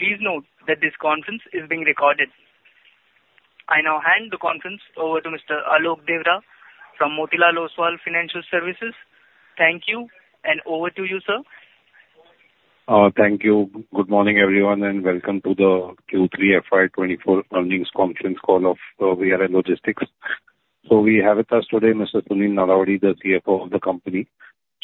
Please note that this conference is being recorded. I now hand the conference over to Mr. Alok Deora from Motilal Oswal Financial Services. Thank you, and over to you, sir. Thank you. Good morning, everyone, and welcome to the Q3 FY24 earnings conference call of VRL Logistics. So we have with us today Mr. Sunil Nalavadi, the CFO of the company.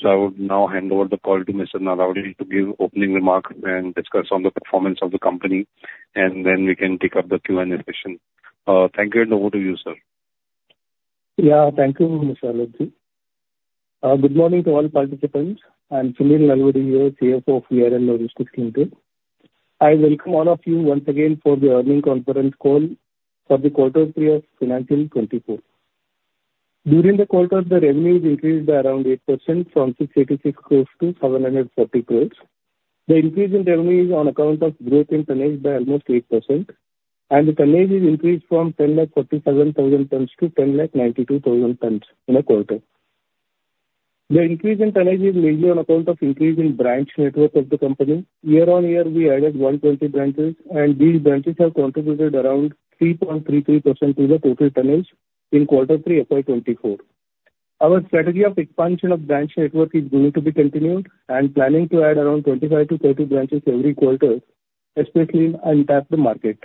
So I would now hand over the call to Mr. Nalavadi to give opening remarks and discuss on the performance of the company, and then we can pick up the Q&A session. Thank you, and over to you, sir. Yeah, thank you, Mr. Alok. Good morning to all participants. I'm Sunil Nalavadi here, CFO of VRL Logistics Limited. I welcome all of you once again for the earnings conference call for the quarter three of financial 2024. During the quarter, the revenues increased by around 8% from 686 crores to 740 crores. The increase in revenues on account of growth in tonnage by almost 8%, and the tonnage is increased from 1,047,000 tons to 1,092,000 tons in a quarter. The increase in tonnage is mainly on account of increase in branch network of the company. Year-on-year, we added 120 branches, and these branches have contributed around 3.33% to the total tonnage in quarter three FY2024. Our strategy of expansion of branch network is going to be continued, and planning to add around 25-30 branches every quarter, especially in untapped market.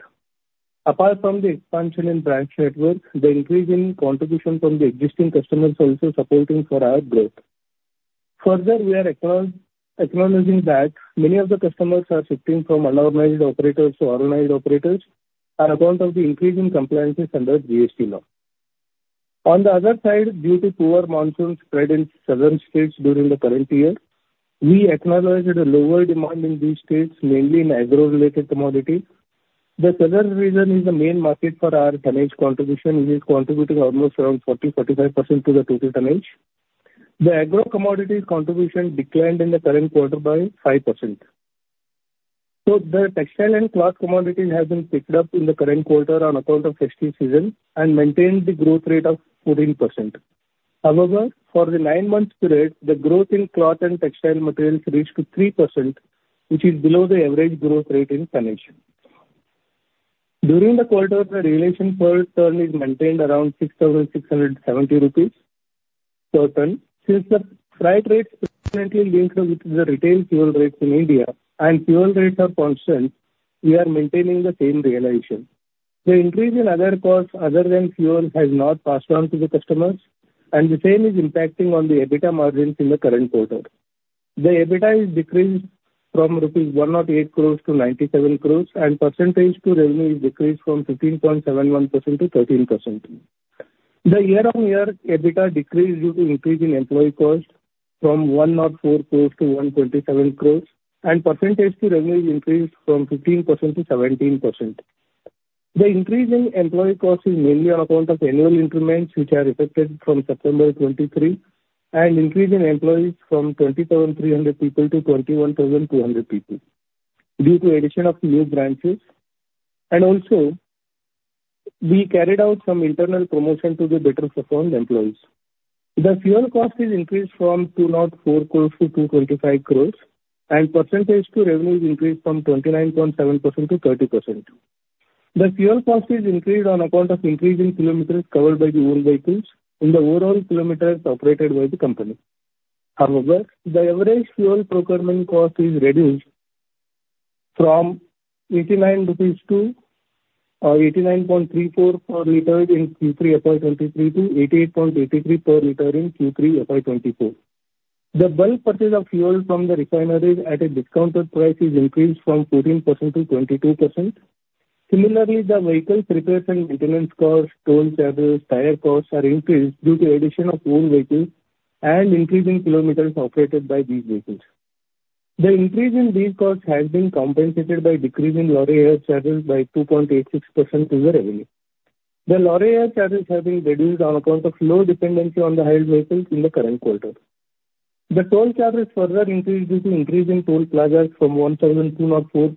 Apart from the expansion in branch network, the increase in contribution from the existing customers also supporting for our growth. Further, we are acknowledging that many of the customers are shifting from unorganized operators to organized operators on account of the increase in compliances under GST law. On the other side, due to poor monsoon spread in southern states during the current year, we acknowledged a lower demand in these states, mainly in agro-related commodities. The southern region is the main market for our tonnage contribution, which is contributing almost around 40%-45% to the total tonnage. The agro-commodities contribution declined in the current quarter by 5%. So the textile and cloth commodities have been picked up in the current quarter on account of festive season and maintained the growth rate of 14%. However, for the 9-month period, the growth in cloth and textile materials reached 3%, which is below the average growth rate in tonnage. During the quarter, the realization per tonne is maintained around 6,670 rupees per tonne. Since the freight rates permanently link with the retail fuel rates in India and fuel rates are constant, we are maintaining the same realization. The increase in other costs other than fuel has not passed on to the customers, and the same is impacting on the EBITDA margins in the current quarter. The EBITDA is decreased from rupees 108 crores to 97 crores, and percentage-to-revenue is decreased from 15.71%-13%. The year-on-year EBITDA decreased due to increase in employee costs from 104 crores to 127 crores, and percentage-to-revenue is increased from 15%-17%. The increase in employee costs is mainly on account of annual increments which are effected from September 23 and increase in employees from 20,300 people to 21,200 people due to addition of new branches. Also, we carried out some internal promotion to the better-performed employees. The fuel cost is increased from 204 crores to 225 crores, and percentage-to-revenue is increased from 29.7% to 30%. The fuel cost is increased on account of increase in kilometers covered by the owned vehicles in the overall kilometers operated by the company. However, the average fuel procurement cost is reduced from 89.34 per liter in Q3 FY23 to 88.83 per liter in Q3 FY24. The bulk purchase of fuel from the refineries at a discounted price is increased from 14% to 22%. Similarly, the vehicle repairs and maintenance costs, toll charges, and tire costs are increased due to addition of owned vehicles and increase in kilometers operated by these vehicles. The increase in these costs has been compensated by decrease in lorry hire charges by 2.86% to the revenue. The lorry hire charges have been reduced on account of low dependency on the hailed vehicles in the current quarter. The toll charges further increased due to increase in toll plazas from 1,204 to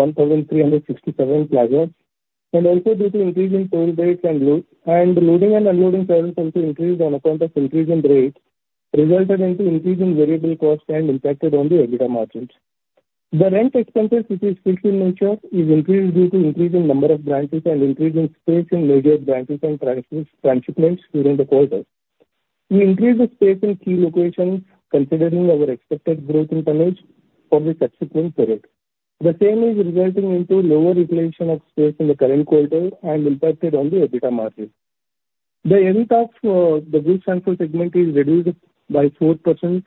1,367 plazas, and also due to increase in toll rates and loading and unloading charges also increased on account of increase in rates, resulted in increase in variable costs and impacted on the EBITDA margins. The rent expenses, which is still in nature, is increased due to increase in number of branches and increase in space in major branches and branch transshipments during the quarter. We increased the space in key locations considering our expected growth in tonnage for the subsequent period. The same is resulting in lower realization of space in the current quarter and impacted the EBITDA margins. The EBITDA of the goods transportation segment is reduced by 4%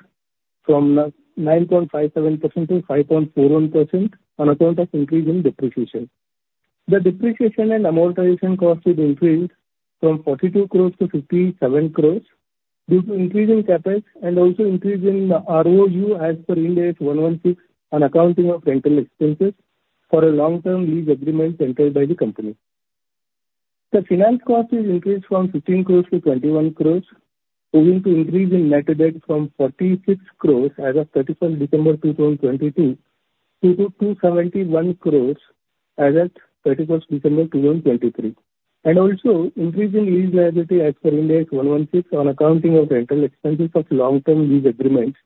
from 9.57%-5.41% on account of increase in depreciation. The depreciation and amortization costs have increased from 42 crores to 57 crores due to increase in CapEx and also increase in ROU as per Ind AS 116 on accounting of rental expenses for a long-term lease agreement entered by the company. The finance cost is increased from 15 crore to 21 crore, owing to increase in net debt from 46 crore as of 31 December 2022 to 271 crore as of 31 December 2023, and also increase in lease liability as per Ind AS 116 on accounting of rental expenses of long-term lease agreements,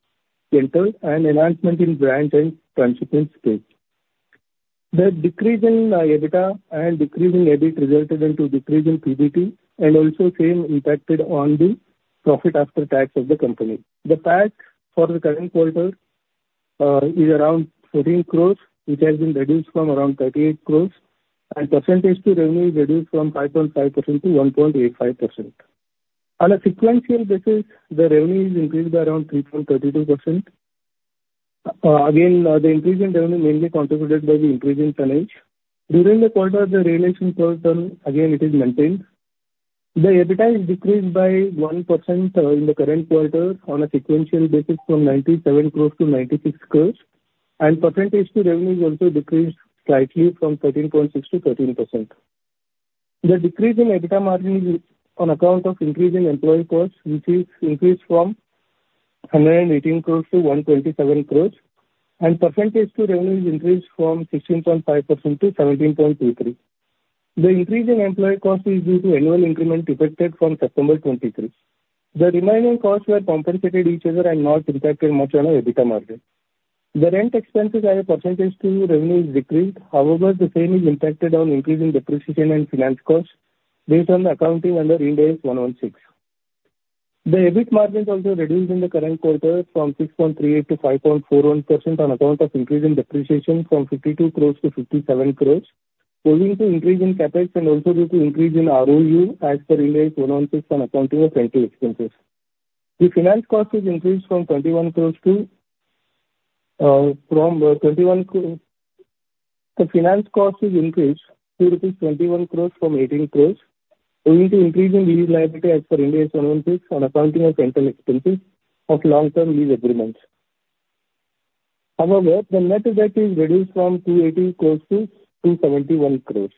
rental, and enhancement in branch and transshipment space. The decrease in EBITDA and decrease in EBIT resulted in decrease in PBT, and also same impacted on the profit after tax of the company. The PAT for the current quarter is around 14 crore, which has been reduced from around 38 crore, and percentage-to-revenue is reduced from 5.5% to 1.85%. On a sequential basis, the revenue is increased by around 3.32%. Again, the increase in revenue mainly contributed by the increase in tonnage. During the quarter, the realization per tonne, again, it is maintained. The EBITDA is decreased by 1% in the current quarter on a sequential basis from 97 crores to 96 crores, and percentage-to-revenue is also decreased slightly from 13.6%-13%. The decrease in EBITDA margins on account of increase in employee costs, which is increased from 118 crores to 127 crores, and percentage-to-revenue is increased from 16.5%-17.23%. The increase in employee costs is due to annual increment effected from September 2023. The remaining costs were compensated each other and not impacted much on our EBITDA margin. The rent expenses as a percentage-to-revenue is decreased. However, the same is impacted on increase in depreciation and finance costs based on the accounting under Ind AS 116. The EBIT margin is also reduced in the current quarter from 6.38% to 5.41% on account of increase in depreciation from 52 crores to 57 crores, owing to increase in CapEx and also due to increase in ROU as per Ind AS 116 on accounting of rental expenses. The finance cost is increased from 21 crores to from 21 crores. The finance cost is increased to rupees 21 crores from 18 crores, owing to increase in lease liability as per Ind AS 116 on accounting of rental expenses of long-term lease agreements. However, the net debt is reduced from 280 crores to 271 crores.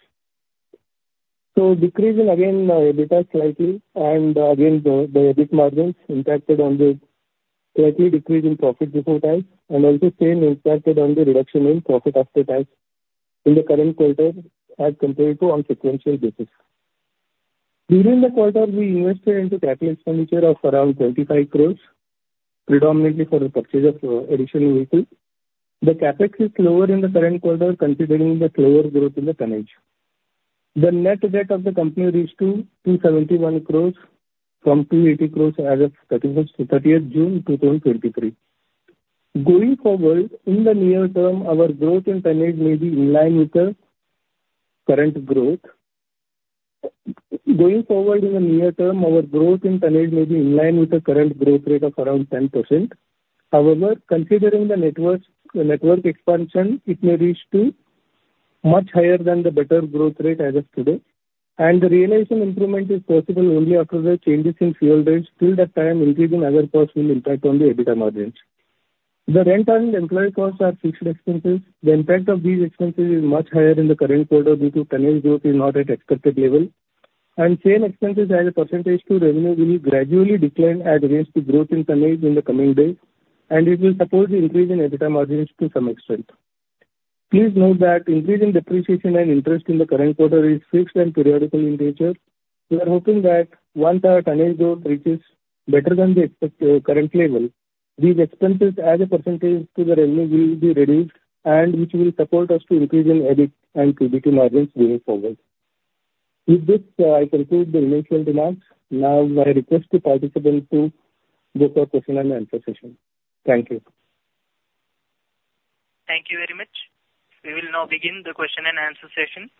So decrease in, again, EBITDA slightly, and again, the EBIT margins impacted on the slightly decrease in profit before tax, and also same impacted on the reduction in profit after tax in the current quarter as compared to on sequential basis. During the quarter, we invested into capital expenditure of around 25 crore, predominantly for the purchase of additional vehicles. The CapEx is lower in the current quarter considering the slower growth in the tonnage. The net debt of the company reached 271 crore from 280 crore as of 31 to 30 June 2023. Going forward, in the near term, our growth in tonnage may be in line with the current growth. Going forward in the near term, our growth in tonnage may be in line with the current growth rate of around 10%. However, considering the network expansion, it may reach much higher than the better growth rate as of today. The realization improvement is possible only after the changes in fuel rates. Till that time, increase in other costs will impact on the EBITDA margins. The rent and employee costs are fixed expenses. The impact of these expenses is much higher in the current quarter due to tonnage growth is not at expected level. Same expenses as a percentage to revenue will gradually decline as against the growth in tonnage in the coming days, and it will support the increase in EBITDA margins to some extent. Please note that increase in depreciation and interest in the current quarter is fixed and periodic in nature. We are hoping that once our tonnage growth reaches better than the current level, these expenses as a percentage to revenue will be reduced, and which will support us to increase in EBIT and PBT margins going forward. With this, I conclude the initial remarks. Now, I request the participants to book a question and answer session. Thank you. Thank you very much. We will now begin the question and answer session.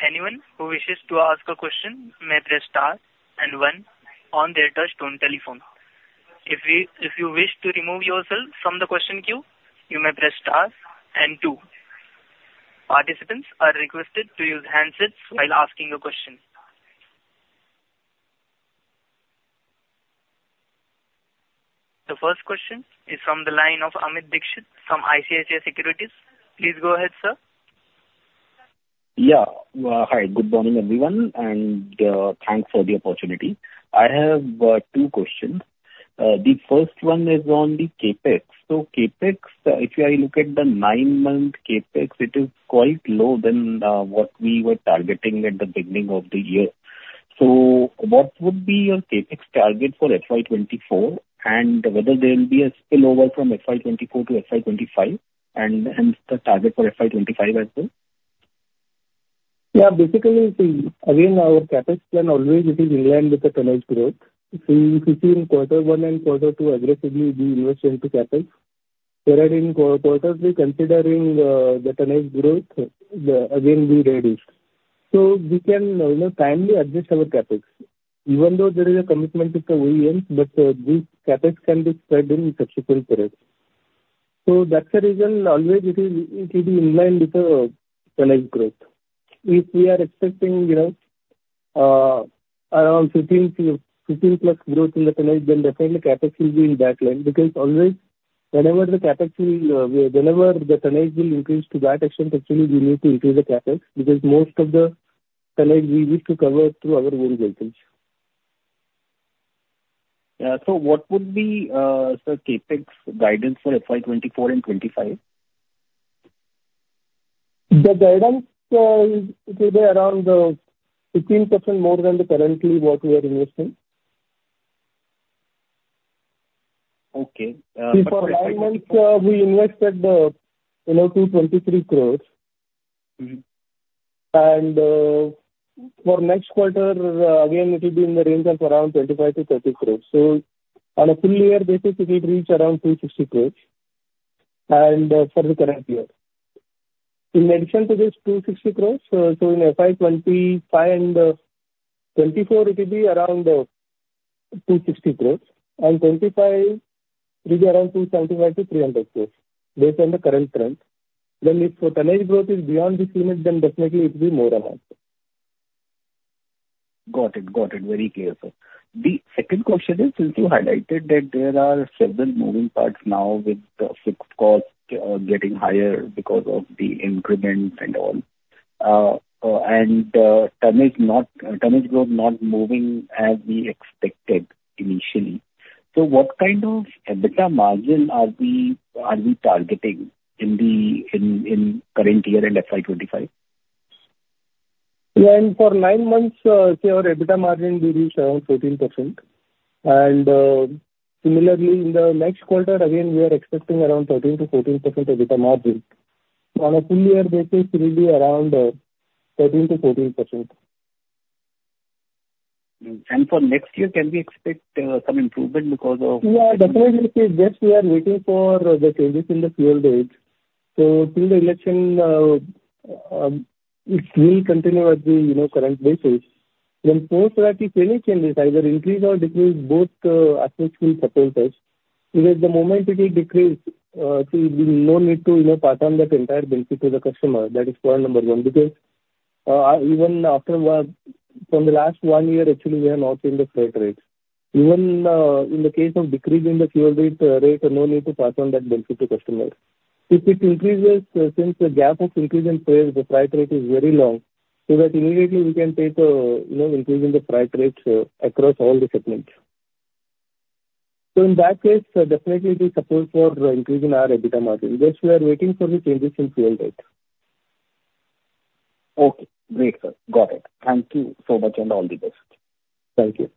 Anyone who wishes to ask a question may press star, and one, on their touch-tone telephone. If you wish to remove yourself from the question queue, you may press star, and two. Participants are requested to use handsets while asking a question. The first question is from the line of Amit Dixit from ICICI Securities. Please go ahead, sir. Yeah. Hi. Good morning, everyone, and thanks for the opportunity. I have two questions. The first one is on the CapEx. So CapEx, if you look at the 9-month CapEx, it is quite low than what we were targeting at the beginning of the year. So what would be your CapEx target for FY24, and whether there will be a spillover from FY24 to FY25, and hence the target for FY25 as well? Yeah. Basically, again, our CapEx plan always is in line with the tonnage growth. If we see in quarter one and quarter two aggressively we invest into CapEx, whereas in quarters three considering the tonnage growth, again, we reduced. So we can timely adjust our CapEx. Even though there is a commitment to the OEMs, but this CapEx can be spread in subsequent periods. So that's the reason always it will be in line with the tonnage growth. If we are expecting around 15+ growth in the tonnage, then definitely CapEx will be in that line because always whenever the CapEx will whenever the tonnage will increase to that extent, actually, we need to increase the CapEx because most of the tonnage we wish to cover through our own vehicles. Yeah. So what would be the CapEx guidance for FY24 and 2025? The guidance will be around 15% more than currently what we are investing. Okay. But. Because for nine months, we invested 223 crores. For next quarter, again, it will be in the range of around 25 crores-30 crores. On a full-year basis, it will reach around 260 crores for the current year. In addition to this, 260 crores. In FY25 and FY24, it will be around 260 crores. FY25 will be around 275 crores-300 crores based on the current trend. If tonnage growth is beyond this limit, then definitely it will be more than that. Got it. Got it. Very clear, sir. The second question is, since you highlighted that there are several moving parts now with fixed costs getting higher because of the increments and all, and tonnage growth not moving as we expected initially, so what kind of EBITDA margin are we targeting in the current year and FY25? For 9 months, our EBITDA margin will reach around 14%. Similarly, in the next quarter, again, we are expecting around 13%-14% EBITDA margin. On a full-year basis, it will be around 13%-14%. For next year, can we expect some improvement because of? Yeah. Definitely. Yes, we are waiting for the changes in the fuel rates. So till the election, it will continue at the current basis. Then post that, if any changes, either increase or decrease, both aspects will support us. Because the moment it will decrease, there will be no need to pass on that entire benefit to the customer. That is point number one. Because even after from the last one year, actually, we have not seen the freight rates. Even in the case of decrease in the fuel rate, no need to pass on that benefit to customers. If it increases, since the gap of increase in freight rate is very long, so that immediately we can take increase in the freight rates across all the segments. So in that case, definitely it will support for increase in our EBITDA margin. Yes, we are waiting for the changes in fuel rate. Okay. Great, sir. Got it. Thank you so much and all the best. Thank you.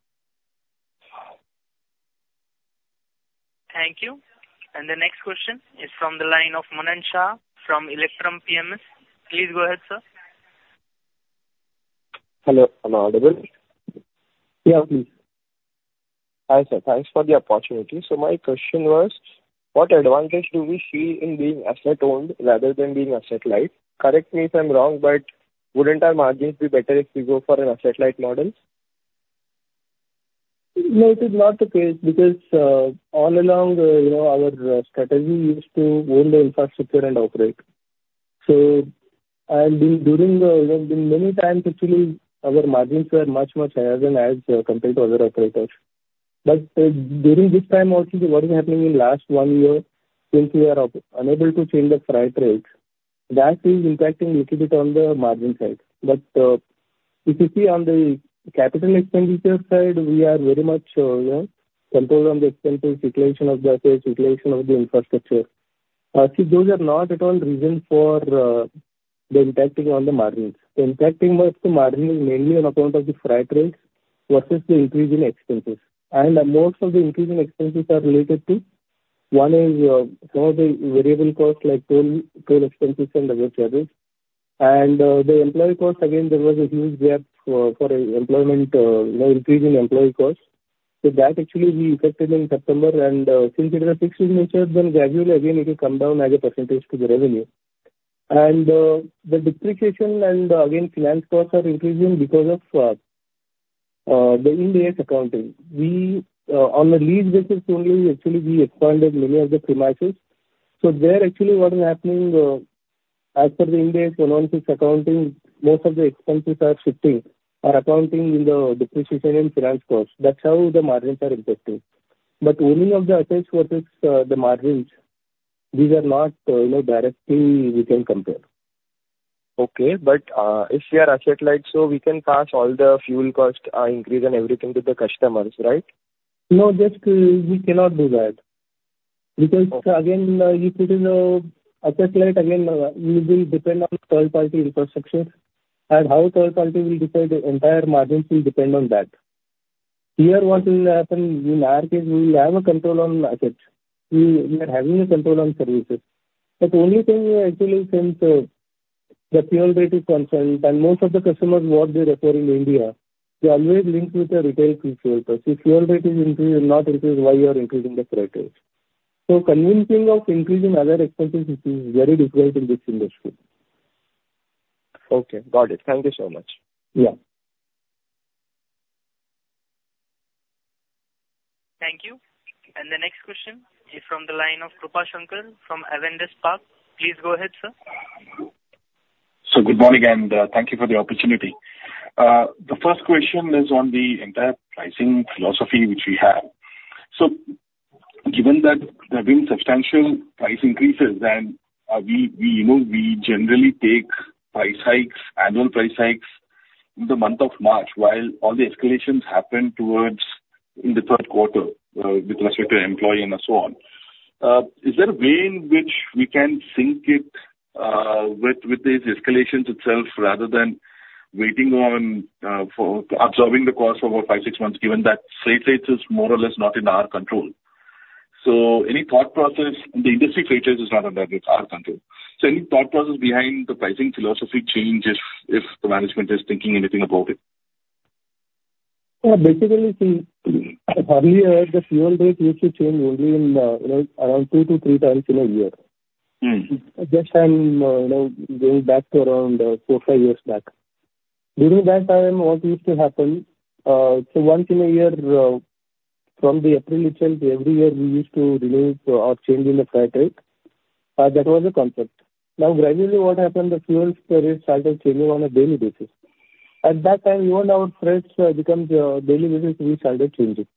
Thank you. The next question is from the line of Manan Shah from Electrum PMS. Please go ahead, sir. Hello. Am I audible? Yeah, please. Hi, sir. Thanks for the opportunity. So my question was, what advantage do we see in being asset-owned rather than being asset-light? Correct me if I'm wrong, but wouldn't our margins be better if we go for an asset-light model? No, it is not the case because all along, our strategy used to own the infrastructure and operate. So during many times, actually, our margins were much, much higher than as compared to other operators. But during this time also, what is happening in the last one year since we are unable to change the freight rates, that is impacting a little bit on the margin side. But if you see on the capital expenditure side, we are very much controlled on the expenditure situation of the assets, situation of the infrastructure. Those are not at all reasons for the impacting on the margins. The impacting of the margin is mainly on account of the freight rates versus the increase in expenses. Most of the increase in expenses are related to one is some of the variable costs like toll expenses and other charges. The employee costs, again, there was a huge gap for employment, increase in employee costs. That actually we affected in September. Since it was fixed in nature, then gradually, again, it will come down as a percentage to the revenue. The depreciation and, again, finance costs are increasing because of the Ind AS 116 accounting. On a lease basis only, actually, we expanded many of the premises. There actually what is happening as per the Ind AS 116 accounting, most of the expenses are shifting or accounting in the depreciation and finance costs. That's how the margins are impacting. But owning of the assets versus the margins, these are not directly we can compare. Okay. But if we are asset-light, so we can pass all the fuel cost increase and everything to the customers, right? No, just we cannot do that. Because again, if it is asset-light, again, it will depend on third-party infrastructure. And how third-party will decide the entire margins will depend on that. Here, what will happen, in our case, we will have a control on assets. We are having a control on services. But the only thing actually since the fuel rate is constant and most of the customers what they refer in India, they always link with the retail fuel costs. If fuel rate is not increased, why you are increasing the freight rates? So convincing of increase in other expenses, it is very difficult in this industry. Okay. Got it. Thank you so much. Yeah. Thank you. And the next question is from the line of Krupashankar from Avendus Spark. Please go ahead, sir. So good morning and thank you for the opportunity. The first question is on the entire pricing philosophy which we have. So given that there have been substantial price increases, and we generally take price hikes, annual price hikes in the month of March while all the escalations happen towards in the third quarter with respect to employee and so on, is there a way in which we can sync it with these escalations itself rather than waiting on absorbing the cost for about 5-6 months given that freight rates is more or less not in our control? So any thought process in the industry freight rates is not under our control. So any thought process behind the pricing philosophy change if the management is thinking anything about it? Yeah. Basically, see, earlier, the fuel rate used to change only around 2-3 times in a year. Just I'm going back to around 4-5 years back. During that time, what used to happen, so once in a year from April 12th, every year, we used to remove or change in the freight rate. That was the concept. Now, gradually, what happened, the fuel rates started changing on a daily basis. At that time, even our freight rates become daily basis, we started changing.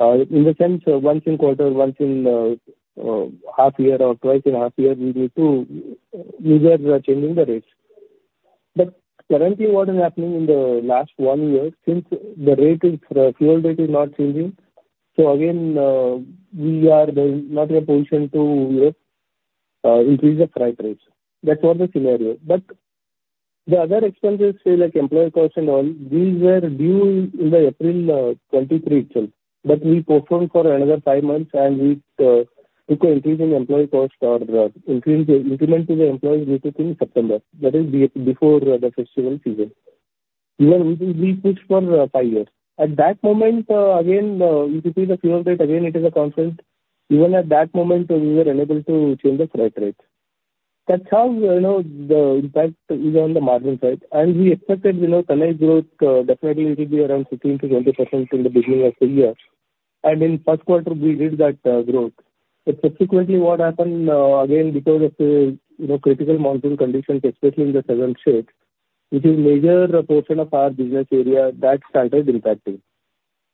In the sense, once in quarter, once in half a year, or twice in half a year, we were changing the rates. But currently, what is happening in the last one year since the fuel rate is not changing, so again, we are not in a position to increase the freight rates. That's what the scenario is. But the other expenses, say like employee costs and all, these were due in April 2023 itself. But we postponed for another five months, and we took an increase in employee cost or increment to the employees due to things in September. That is before the festival season. Even we pushed for five years. At that moment, again, if you see the fuel rate, again, it is a constant. Even at that moment, we were unable to change the freight rates. That's how the impact is on the margin side. And we expected tonnage growth, definitely, it will be around 15%-20% in the beginning of the year. And in first quarter, we did that growth. But subsequently, what happened, again, because of the critical monsoon conditions, especially in the southern states, which is a major portion of our business area, that started impacting.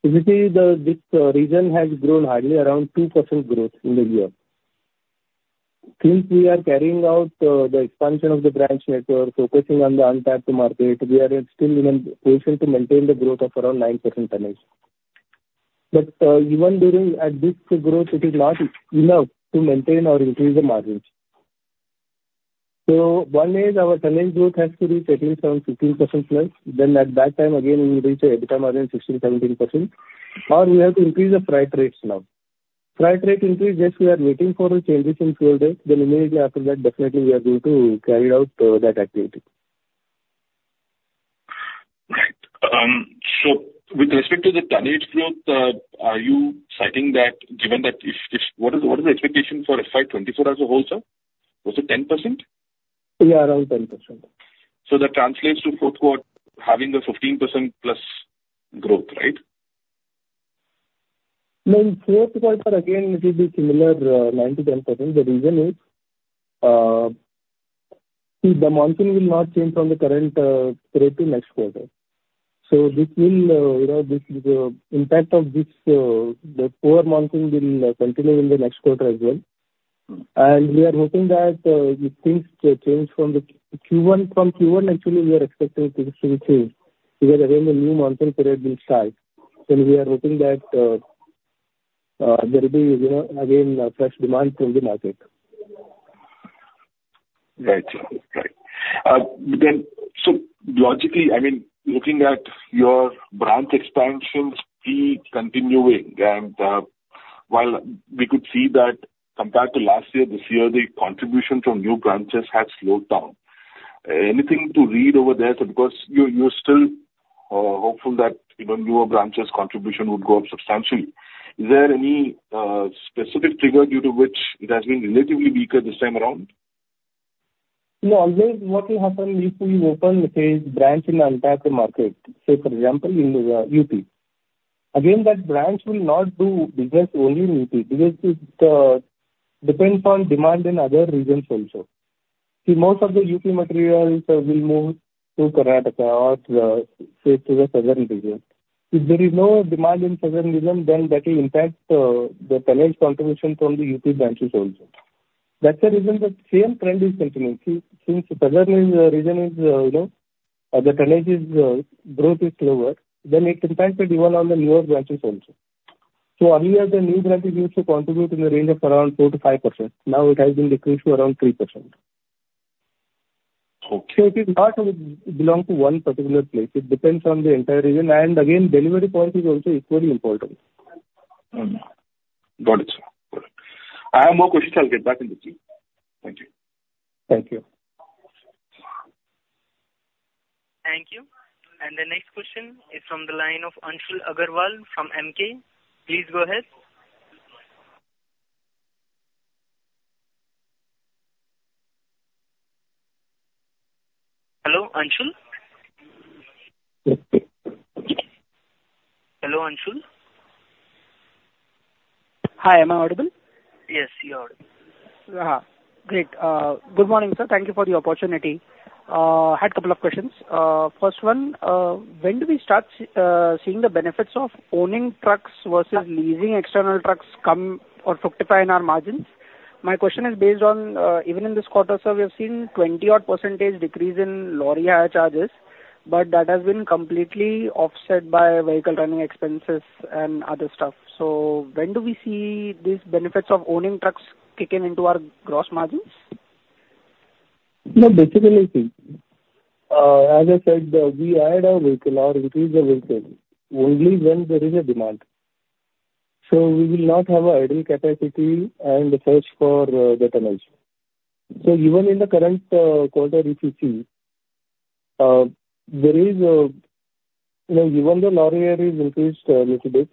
If you see, this region has grown hardly around 2% growth in the year. Since we are carrying out the expansion of the branch network, focusing on the untapped market, we are still in a position to maintain the growth of around 9% tonnage. But even at this growth, it is not enough to maintain or increase the margins. So one is our tonnage growth has to reach at least around 15%+. Then at that time, again, we will reach an EBITDA margin of 16%-17%. Or we have to increase the freight rates now. Freight rate increase, yes, we are waiting for changes in fuel rates. Then immediately after that, definitely, we are going to carry out that activity. Right. So with respect to the tonnage growth, are you citing that given that if what is the expectation for FY24 as a whole, sir? Was it 10%? Yeah, around 10%. So that translates to fourth quarter having a 15% plus growth, right? Then, fourth quarter, again, it will be similar 9%-10%. The reason is, see, the monsoon will not change from the current period to next quarter. So this will impact of this, the poor monsoon will continue in the next quarter as well. And we are hoping that if things change from Q1, from Q1, actually, we are expecting things to be changed because again, the new monsoon period will start. Then we are hoping that there will be, again, fresh demand from the market. Right. Right. Then so logically, I mean, looking at your branch expansions continuing, and while we could see that compared to last year, this year, the contribution from new branches has slowed down, anything to read over there? So because you're still hopeful that newer branches' contribution would go up substantially, is there any specific trigger due to which it has been relatively weaker this time around? No. What will happen if we open a branch in the untapped market? Say, for example, in UP. Again, that branch will not do business only in UP because it depends on demand in other regions also. See, most of the UP materials will move to Karnataka or, say, to the southern region. If there is no demand in southern region, then that will impact the tonnage contribution from the UP branches also. That's the reason the same trend is continuing. See, since southern region is the tonnage growth is slower, then it impacts it even on the newer branches also. So earlier, the new branches used to contribute in the range of around 4%-5%. Now it has been decreased to around 3%. So it is not belonging to one particular place. It depends on the entire region. And again, delivery point is also equally important. Got it, sir. Got it. I have more questions. I'll get back in the team. Thank you. Thank you. Thank you. The next question is from the line of Anshul Agrawal from Emkay. Please go ahead. Hello, Anshul? Hello, Anshul? Hi. Am I audible? Yes, you're audible. Yeah. Great. Good morning, sir. Thank you for the opportunity. I had a couple of questions. First one, when do we start seeing the benefits of owning trucks versus leasing external trucks come or fructify in our margins? My question is based on even in this quarter, sir, we have seen 20-odd% decrease in lorry hire charges, but that has been completely offset by vehicle running expenses and other stuff. So when do we see these benefits of owning trucks kicking into our gross margins? No, basically, see, as I said, we hire our vehicle or increase the vehicle only when there is a demand. So we will not have an idle capacity and the search for the tonnage. So even in the current quarter, if you see, there is even though lorry hire is increased a little bit,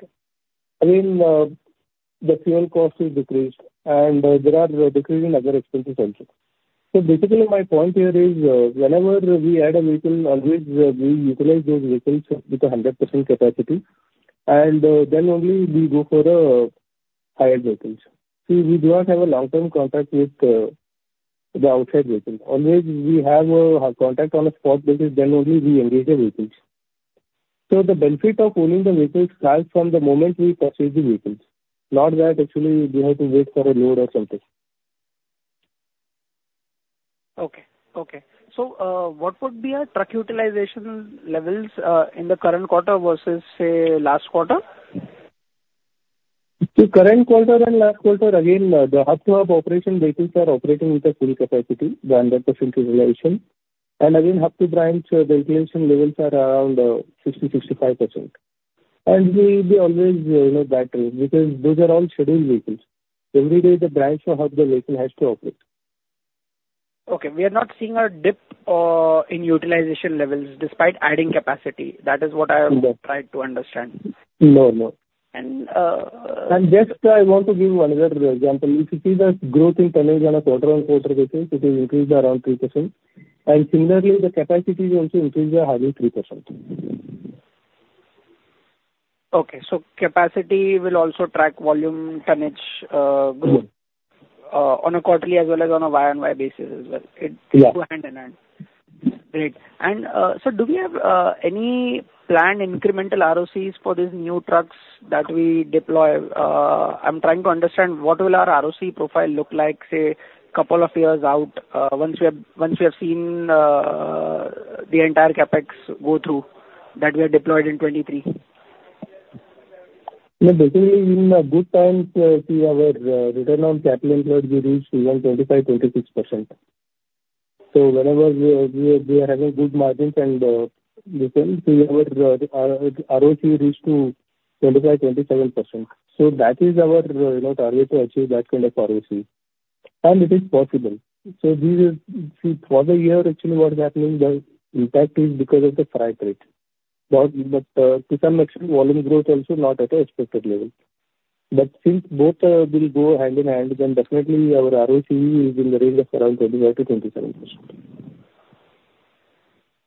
again, the fuel cost is decreased, and there are decreasing other expenses also. So basically, my point here is whenever we add a vehicle, always we utilize those vehicles with 100% capacity. And then only we go for high-end vehicles. See, we do not have a long-term contract with the outside vehicle. Always, we have a contract on a spot basis. Then only we engage the vehicles. So the benefit of owning the vehicles starts from the moment we purchase the vehicles, not that actually we have to wait for a load or something. Okay. Okay. So what would be our truck utilization levels in the current quarter versus, say, last quarter? See, current quarter and last quarter, again, the hub-to-hub operation vehicles are operating with a full capacity, the 100% utilization. And again, hub-to-branch utilization levels are around 60%-65%. And we will be always that because those are all scheduled vehicles. Every day, the branch or hub, the vehicle has to operate. Okay. We are not seeing a dip in utilization levels despite adding capacity. That is what I have tried to understand. No, no. And. And just I want to give you another example. If you see the growth in tonnage on a quarter-on-quarter basis, it will increase around 3%. And similarly, the capacity will also increase by hardly 3%. Okay. So capacity will also track volume tonnage growth on a quarterly as well as on a Y-o-Y basis as well. It goes hand in hand. Great. And so do we have any planned incremental ROCEs for these new trucks that we deploy? I'm trying to understand what will our ROCE profile look like, say, a couple of years out once we have seen the entire CapEx go through that we are deployed in 2023? No, basically, in good times, see, our return on capital employed will reach around 25-26%. So whenever we are having good margins and we see our ROC reach to 25-27%. So that is our target to achieve that kind of ROC. And it is possible. So see, for the year, actually, what's happening, the impact is because of the freight rate. But to some extent, volume growth also not at an expected level. But since both will go hand in hand, then definitely, our ROC is in the range of around 25%-27%.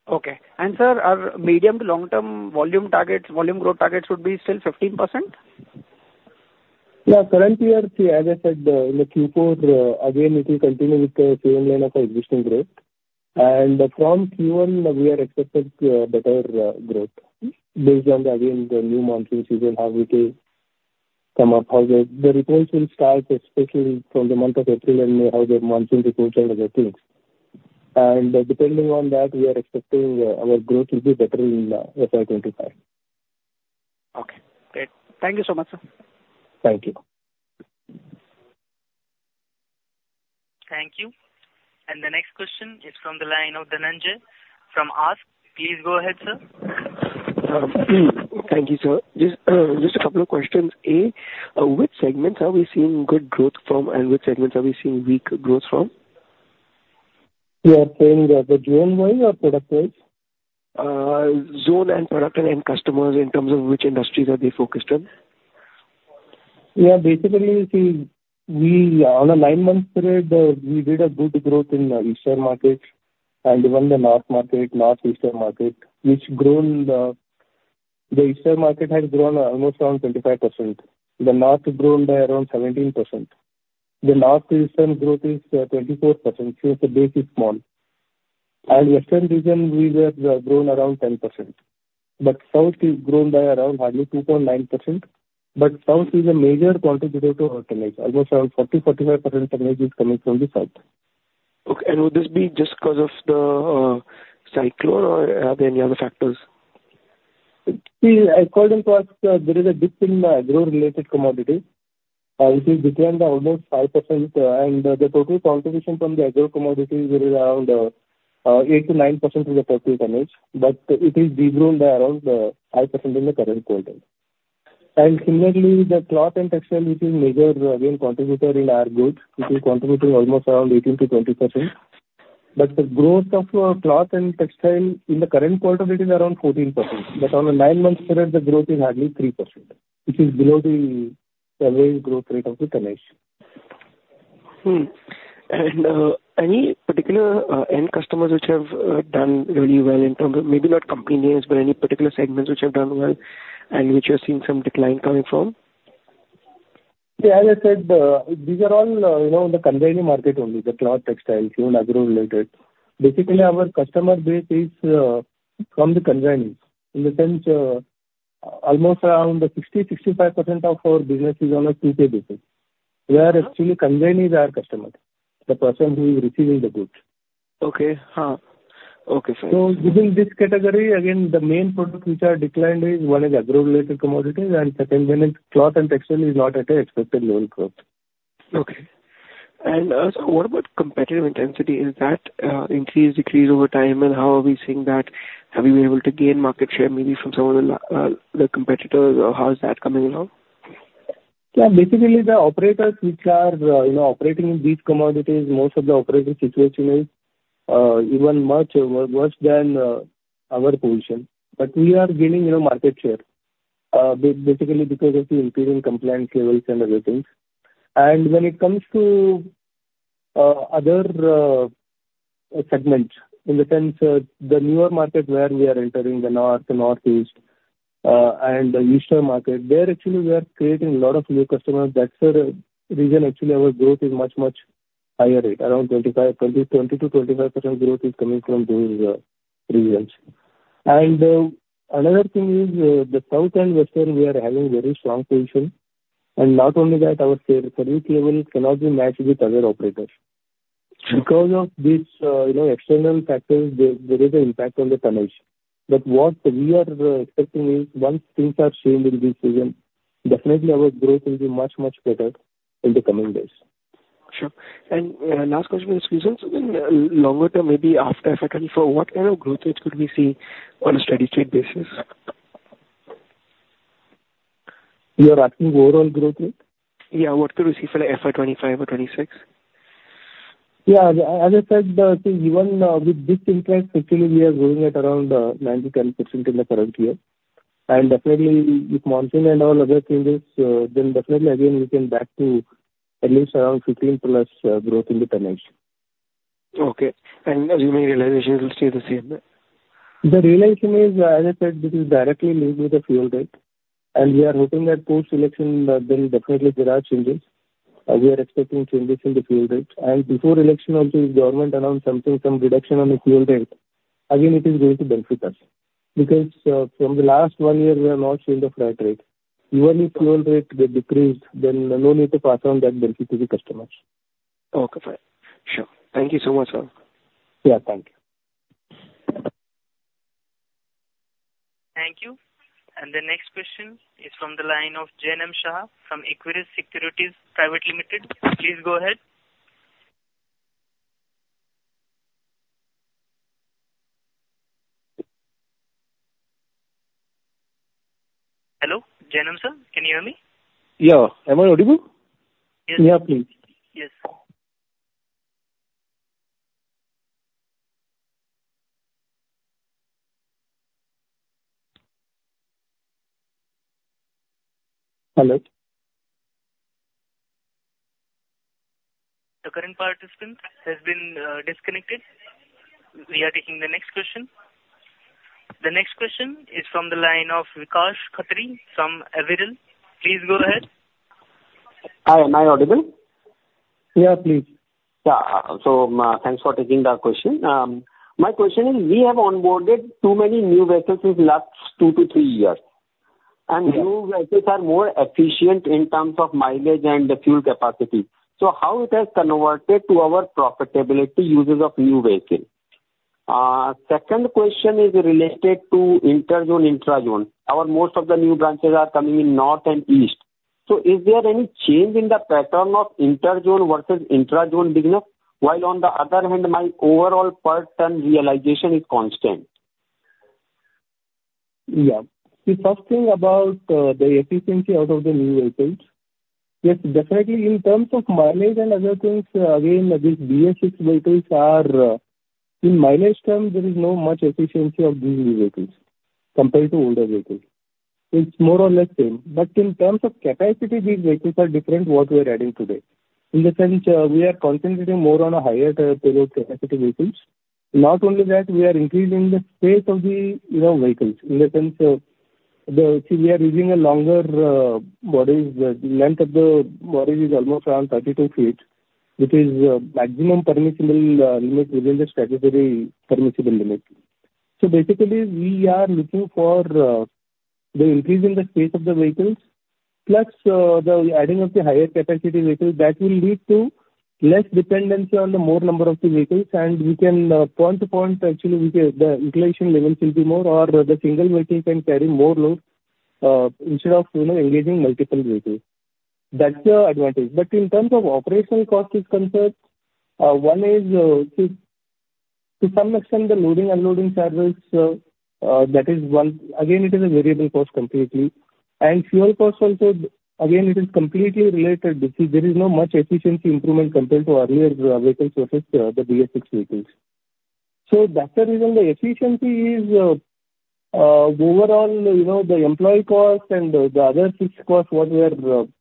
Okay. Sir, our medium to long-term volume targets, volume growth targets would be still 15%? Yeah. Current year, see, as I said, in the Q4, again, it will continue with the same line of existing growth. And from Q1, we are expecting better growth based on, again, the new monsoon season how it will come up, how the reports will start, especially from the month of April and May, how the monsoon reports and other things. And depending on that, we are expecting our growth will be better in FY25. Okay. Great. Thank you so much, sir. Thank you. Thank you. The next question is from the line of Dhananjai from ASK. Please go ahead, sir. Thank you, sir. Just a couple of questions. A, which segments are we seeing good growth from and which segments are we seeing weak growth from? You are saying the June wise or product wise? Zone and product and customers in terms of which industries are they focused on? Yeah. Basically, see, on a 9-month period, we did a good growth in the eastern market and even the north market, north-eastern market, which grown the eastern market has grown almost around 25%. The north has grown by around 17%. The north-eastern growth is 24% since the base is small. And western region, we were grown around 10%. But south is grown by around hardly 2.9%. But south is a major contributor to our tonnage. Almost around 40%-45% tonnage is coming from the south. Okay. And would this be just because of the cyclone or are there any other factors? See, I called and talked. There is a dip in the agro-related commodities. It is between almost 5%. And the total contribution from the agro commodities, it is around 8%-9% of the total tonnage. But it is degrown by around 5% in the current quarter. And similarly, the cloth and textile, which is a major, again, contributor in our goods, which is contributing almost around 18%-20%. But the growth of cloth and textile in the current quarter, it is around 14%. But on a nine-month period, the growth is hardly 3%, which is below the average growth rate of the tonnage. Any particular end customers which have done really well in terms of maybe not company names, but any particular segments which have done well and which you have seen some decline coming from? See, as I said, these are all in the consignee market only, the cloth, textile, even agro-related. Basically, our customer base is from the consignees in the sense almost around 60%-65% of our business is on a CK basis. Where actually, consignees are customers, the person who is receiving the goods. Okay. Okay. Sorry. Within this category, again, the main products which are declined is one is agro-related commodities. Second, then cloth and textile is not at an expected level growth. Okay. And sir, what about competitive intensity? Is that increase, decrease over time? And how are we seeing that? Have we been able to gain market share maybe from some of the competitors or how is that coming along? Yeah. Basically, the operators which are operating in these commodities, most of the operator situation is even much worse than our position. But we are gaining market share basically because of the increasing compliance levels and other things. When it comes to other segments in the sense, the newer market where we are entering, the north, the northeast, and the eastern market, there actually, we are creating a lot of new customers. That's the reason actually our growth is much, much higher rate, around 20%-25% growth is coming from those regions. Another thing is the south and western, we are having very strong position. Not only that, our service level cannot be matched with other operators. Because of these external factors, there is an impact on the tonnage. What we are expecting is once things are changed in this region, definitely, our growth will be much, much better in the coming days. Sure. And last question for this reason, so then longer term, maybe after FY2024, what kind of growth rates could we see on a steady streak basis? You are asking overall growth rate? Yeah. What could we see for FY25 or 2026? Yeah. As I said, see, even with this impact, actually, we are growing at around 9%-10% in the current year. And definitely, if monsoon and all other changes, then definitely, again, we came back to at least around 15+ growth in the tonnage. Okay. Assuming realization will stay the same, right? The realization is, as I said, this is directly linked with the fuel rate. We are hoping that post-election, then definitely, there are changes. We are expecting changes in the fuel rate. Before election also, if government announced something, some reduction on the fuel rate, again, it is going to benefit us because from the last one year, we have not changed the freight rate. Even if fuel rate decreased, then no need to pass on that benefit to the customers. Okay. Sure. Thank you so much, sir. Yeah. Thank you. Thank you. The next question is from the line of Jainam Shah from Equirus Securities. Please go ahead. Hello, Jainam, sir? Can you hear me? Yeah. Am I audible? Yes. Yeah, please. Yes. Hello. The current participant has been disconnected. We are taking the next question. The next question is from the line of Vikash Khatri from Auriga. Please go ahead. Hi. Am I audible? Yeah, please. Yeah. So thanks for taking that question. My question is, we have onboarded too many new vehicles since last 2-3 years. And new vehicles are more efficient in terms of mileage and the fuel capacity. So how it has converted to our profitability uses of new vehicles? Second question is related to interzone/intrazone. Most of the new branches are coming in north and east. So is there any change in the pattern of interzone versus intrazone business while on the other hand, my overall per-ton realization is constant? Yeah. See, first thing about the efficiency out of the new vehicles, yes, definitely, in terms of mileage and other things, again, these BS6 vehicles are in mileage term, there is no much efficiency of these new vehicles compared to older vehicles. It's more or less same. But in terms of capacity, these vehicles are different what we are adding today. In the sense, we are concentrating more on a higher payload capacity vehicles. Not only that, we are increasing the space of the vehicles. In the sense, see, we are using a longer bodies. The length of the bodies is almost around 32 feet, which is maximum permissible limit within the strategically permissible limit. So basically, we are looking for the increase in the space of the vehicles plus the adding of the higher capacity vehicles that will lead to less dependency on the more number of the vehicles. And we can point to point, actually, the inflation level will be more or the single vehicle can carry more load instead of engaging multiple vehicles. That's the advantage. But in terms of operational cost is concerned, one is, see, to some extent, the loading/unloading service, that is one again, it is a variable cost completely. And fuel cost also, again, it is completely related. See, there is not much efficiency improvement compared to earlier vehicles versus the BS6 vehicles. So that's the reason the efficiency is overall, the employee cost and the other fixed cost what we are incurring,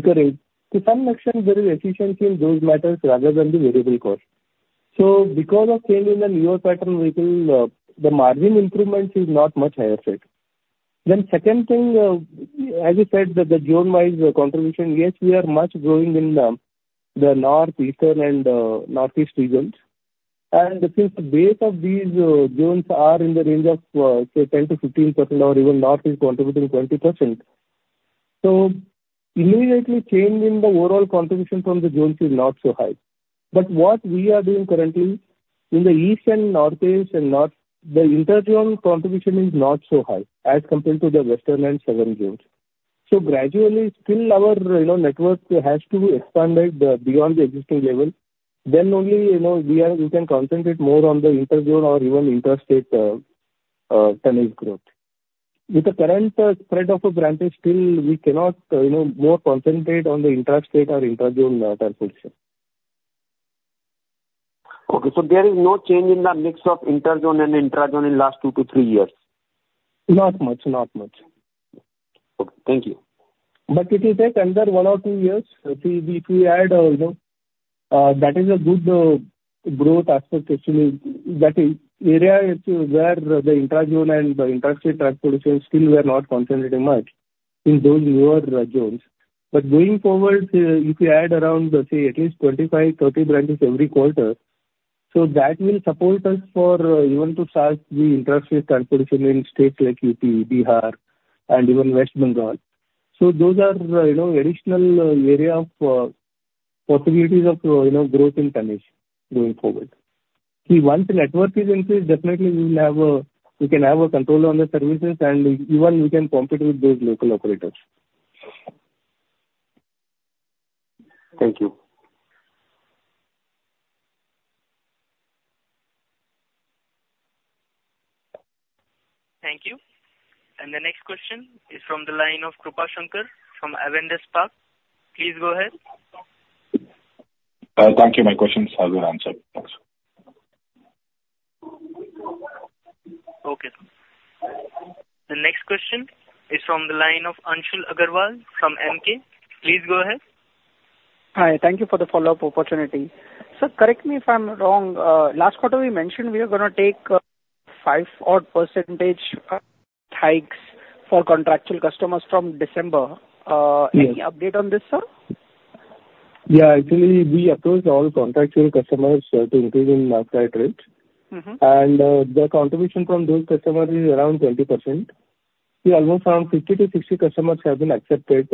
to some extent, there is efficiency in those matters rather than the variable cost. So because of change in the newer pattern vehicle, the margin improvements is not much higher yet. Then second thing, as you said, the zone-wise contribution, yes, we are much growing in the northern, eastern, and northeastern regions. Since the base of these zones are in the range of, say, 10%-15% or even north is contributing 20%, so immediately, change in the overall contribution from the zones is not so high. But what we are doing currently in the east and northeast and north, the interzone contribution is not so high as compared to the western and southern zones. Gradually, still, our network has to expand beyond the existing level. Then only we can concentrate more on the interzone or even interstate tonnage growth. With the current spread of a branches, still, we cannot more concentrate on the interstate or interzone transportation. Okay. So there is no change in the mix of interzone and intrazone in last 2-3 years? Not much. Not much. Okay. Thank you. But it is that in 1 or 2 years, see, if we add that is a good growth aspect, actually. That is, area where the intra-zone and the interstate transportation still were not concentrating much in those newer zones. But going forward, if we add around, say, at least 25-30 branches every quarter, so that will support us for even to start the interstate transportation in states like UP, Bihar, and even West Bengal. So those are additional area of possibilities of growth in tonnage going forward. See, once network is increased, definitely, we will have a we can have a control on the services. And even we can compete with those local operators. Thank you. Thank you. The next question is from the line of Krupashankar from Avendus Spark. Please go ahead. Thank you. My questions have been answered. Thanks. Okay. The next question is from the line of Anshul Agrawal from MK. Please go ahead. Hi. Thank you for the follow-up opportunity. Sir, correct me if I'm wrong. Last quarter, we mentioned we are going to take 5-odd% hikes for contractual customers from December. Any update on this, sir? Yeah. Actually, we approached all contractual customers to increase in freight rate. And the contribution from those customers is around 20%. See, almost around 50-60 customers have been accepted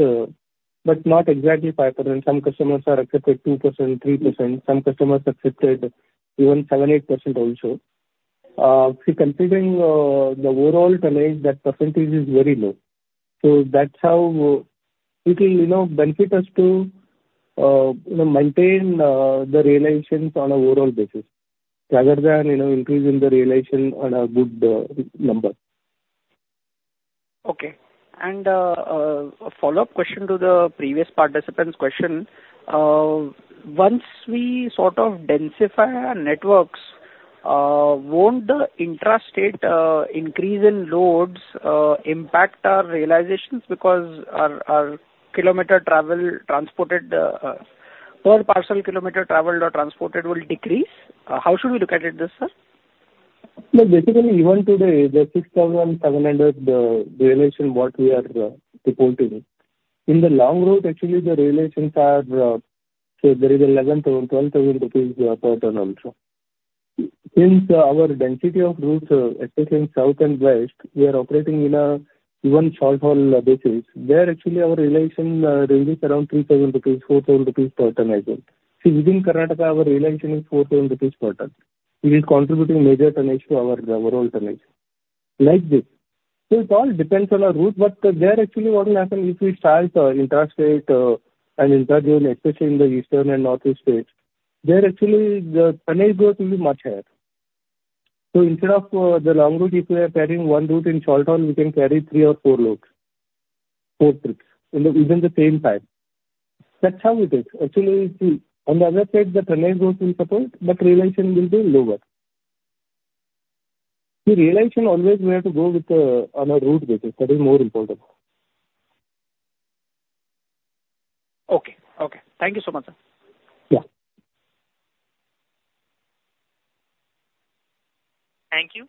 but not exactly 5%. Some customers are accepted 2%, 3%. Some customers accepted even 7%-8% also. See, considering the overall tonnage, that percentage is very low. So that's how it will benefit us to maintain the realizations on an overall basis rather than increase in the realization on a good number. Okay. A follow-up question to the previous participant's question. Once we sort of densify our networks, won't the interstate increase in loads impact our realizations because our kilometer travel transported per parcel kilometer traveled or transported will decrease? How should we look at this, sir? Well, basically, even today, the 6,700 realization what we are reporting. In the long route, actually, the realizations are, see, there is 11,000-12,000 rupees per ton also. Since our density of routes, especially in south and west, we are operating in even short haul basis, there actually, our realization ranges around 3,000-4,000 rupees per ton as well. See, within Karnataka, our realization is 4,000 rupees per ton. It is contributing major tonnage to our overall tonnage. Like this. So it all depends on our route. But there actually what will happen if we start interstate and intrazone, especially in the eastern and northeast states, there actually, the tonnage growth will be much higher. So instead of the long route, if we are carrying one route in short haul, we can carry 3 or 4 loads, 4 trips within the same time. That's how it is. Actually, see, on the other side, the tonnage growth will support, but realization will be lower. See, realization always where to go on a route basis, that is more important. Okay. Okay. Thank you so much, sir. Yeah. Thank you.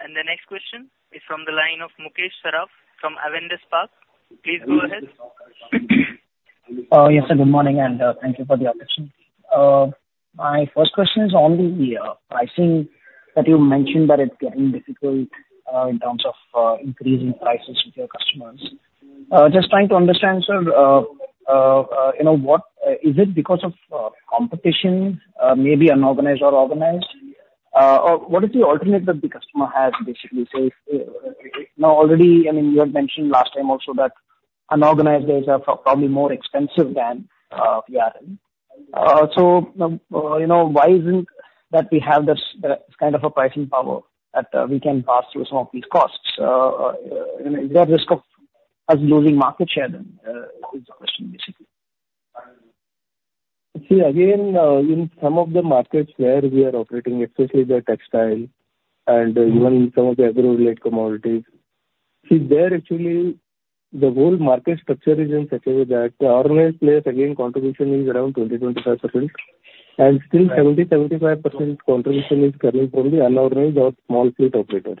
The next question is from the line of Mukesh Saraf from Avendus Spark. Please go ahead. Yes, sir. Good morning. And thank you for the invitation. My first question is on the pricing that you mentioned that it's getting difficult in terms of increasing prices with your customers. Just trying to understand, sir, is it because of competition, maybe unorganized or organized, or what is the alternate that the customer has basically? See, already, I mean, you had mentioned last time also that unorganized days are probably more expensive than VRL. So why isn't that we have this kind of a pricing power that we can pass through some of these costs? Is there a risk of us losing market share then is the question basically. See, again, in some of the markets where we are operating, especially the textile and even some of the agro-related commodities, see, there actually, the whole market structure is in such a way that the organized players, again, contribution is around 20%-25%. And still, 70%-75% contribution is coming from the unorganized or small fleet operators.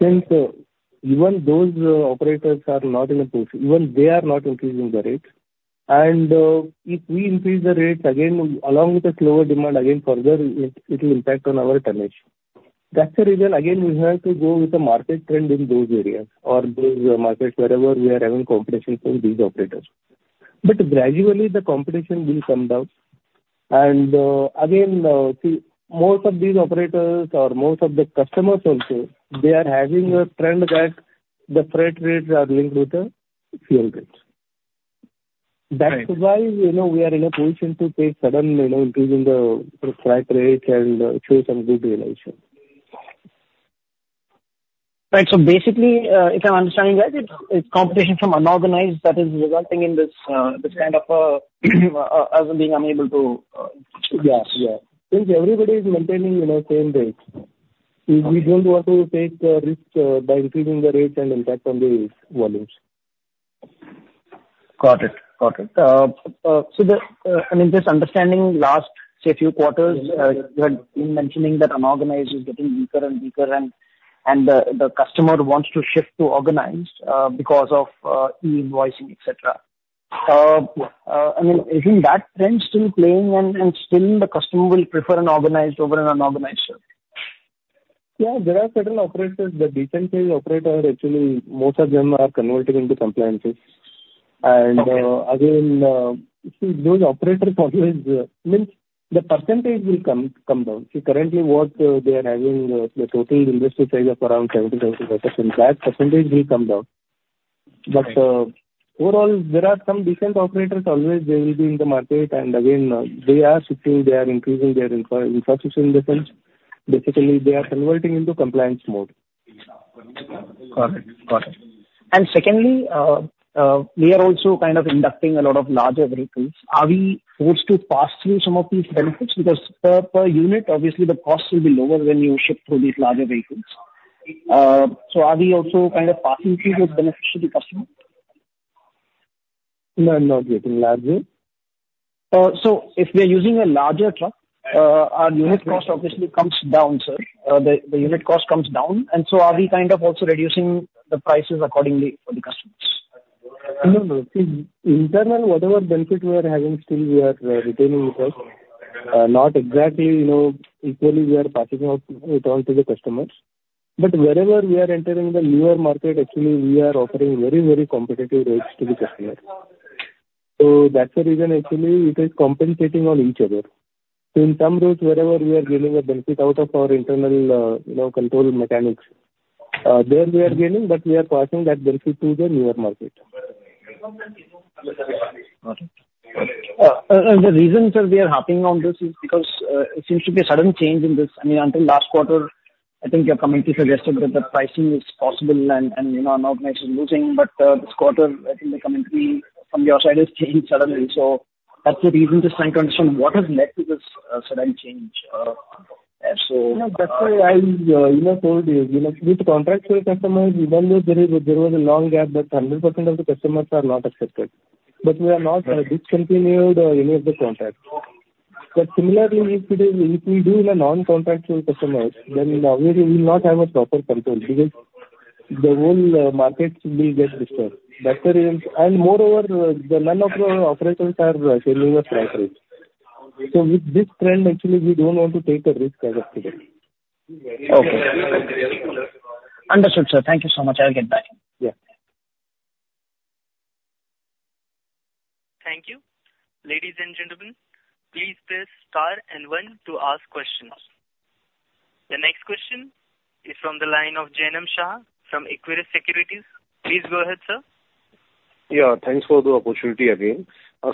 Since even those operators are not in a position, even they are not increasing the rates. And if we increase the rates, again, along with a slower demand, again, further, it will impact on our tonnage. That's the reason, again, we have to go with the market trend in those areas or those markets wherever we are having competition from these operators. But gradually, the competition will come down. And again, see, most of these operators or most of the customers also, they are having a trend that the freight rates are linked with the fuel rates. That's why we are in a position to take sudden increase in the freight rates and show some good realization. Right. So basically, if I'm understanding right, it's competition from unorganized that is resulting in this kind of us being unable to. Yes. Yes. Since everybody is maintaining same rates, we don't want to take the risk by increasing the rates and impact on these volumes. Got it. Got it. So I mean, just understanding last, say, few quarters, you had been mentioning that unorganized is getting weaker and weaker, and the customer wants to shift to organized because of E-invoicing, etc. I mean, isn't that trend still playing, and still, the customer will prefer an organized over an unorganized, sir? Yeah. There are certain operators that are decent scale operators, actually, most of them are converting into compliance. And again, see, those operators always I mean, the percentage will come down. See, currently, what they are having, the total industry size of around 70%-75%, that percentage will come down. But overall, there are some decent operators always. They will be in the market. And again, they are shifting. They are increasing their infrastructure in the sense, basically, they are converting into compliance mode. Got it. Got it. And secondly, we are also kind of inducting a lot of larger vehicles. Are we forced to pass through some of these benefits? Because per unit, obviously, the cost will be lower when you ship through these larger vehicles. So are we also kind of passing through those benefits to the customer? We are not getting larger. So if we are using a larger truck, our unit cost obviously comes down, sir. The unit cost comes down. And so are we kind of also reducing the prices accordingly for the customers? No, no. See, internal, whatever benefit we are having, still, we are retaining it all. Not exactly equally, we are passing it all to the customers. But wherever we are entering the newer market, actually, we are offering very, very competitive rates to the customer. So that's the reason, actually, it is compensating on each other. So in some routes, wherever we are gaining a benefit out of our internal control mechanics, there, we are gaining, but we are passing that benefit to the newer market. Got it. The reason, sir, we are hopping on this is because it seems to be a sudden change in this. I mean, until last quarter, I think your commentary suggested that the pricing is possible and unorganized is losing. But this quarter, I think the commentary from your side has changed suddenly. So that's the reason to try and understand what has led to this sudden change, so. Yeah. That's why I told you, with contractual customers, even though there was a long gap, that 100% of the customers are not accepted. But we are not discontinued any of the contracts. But similarly, if we do in a non-contractual customer, then obviously, we will not have a proper control because the whole market will get disturbed. And moreover, none of our operators are changing the freight rates. So with this trend, actually, we don't want to take a risk as of today. Okay. Understood, sir. Thank you so much. I'll get back. Yeah. Thank you. Ladies and gentlemen, please press star and one to ask questions. The next question is from the line of Jainam Shah from Equirus Securities. Please go ahead, sir. Yeah. Thanks for the opportunity again.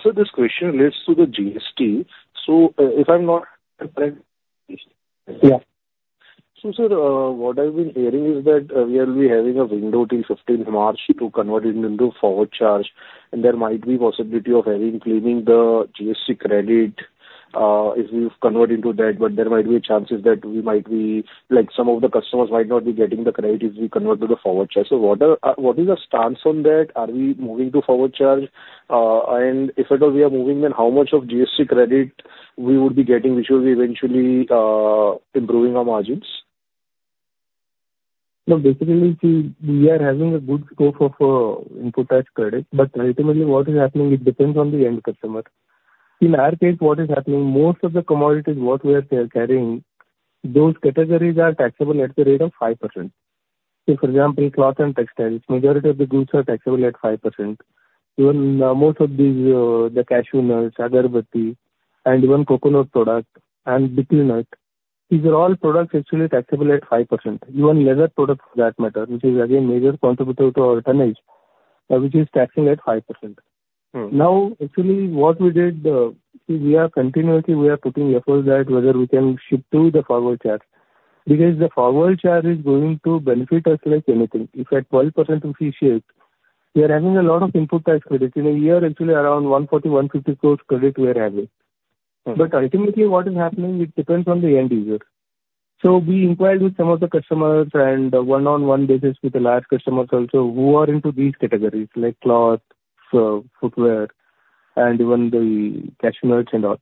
Sir, this question relates to the GST. So if I'm not. Yeah. So sir, what I've been hearing is that we will be having a window till 15 March to convert it into forward charge. And there might be possibility of having claiming the GST credit if we've converted into that. But there might be chances that we might be some of the customers might not be getting the credit if we convert to the forward charge. So what is the stance on that? Are we moving to forward charge? And if at all we are moving, then how much of GST credit we would be getting which will eventually improve our margins? No, basically, see, we are having a good scope of input tax credit. But ultimately, what is happening, it depends on the end customer. In our case, what is happening, most of the commodities what we are carrying, those categories are taxable at the rate of 5%. See, for example, cloth and textiles, majority of the goods are taxable at 5%. Even most of these, the cashew nuts, agarbatti, and even coconut product and betel nut, these are all products actually taxable at 5%. Even leather products, for that matter, which is again major contributor to our tonnage, which is taxing at 5%. Now, actually, what we did, see, continuously, we are putting efforts that whether we can shift to the forward charge because the forward charge is going to benefit us like anything. If at 12% we shift, we are having a lot of input tax credit. In a year, actually, around 140 crore-150 crore credit we are having. But ultimately, what is happening, it depends on the end user. So we inquired with some of the customers and one-on-one basis with the large customers also who are into these categories like cloth, footwear, and even the cashew nuts and all.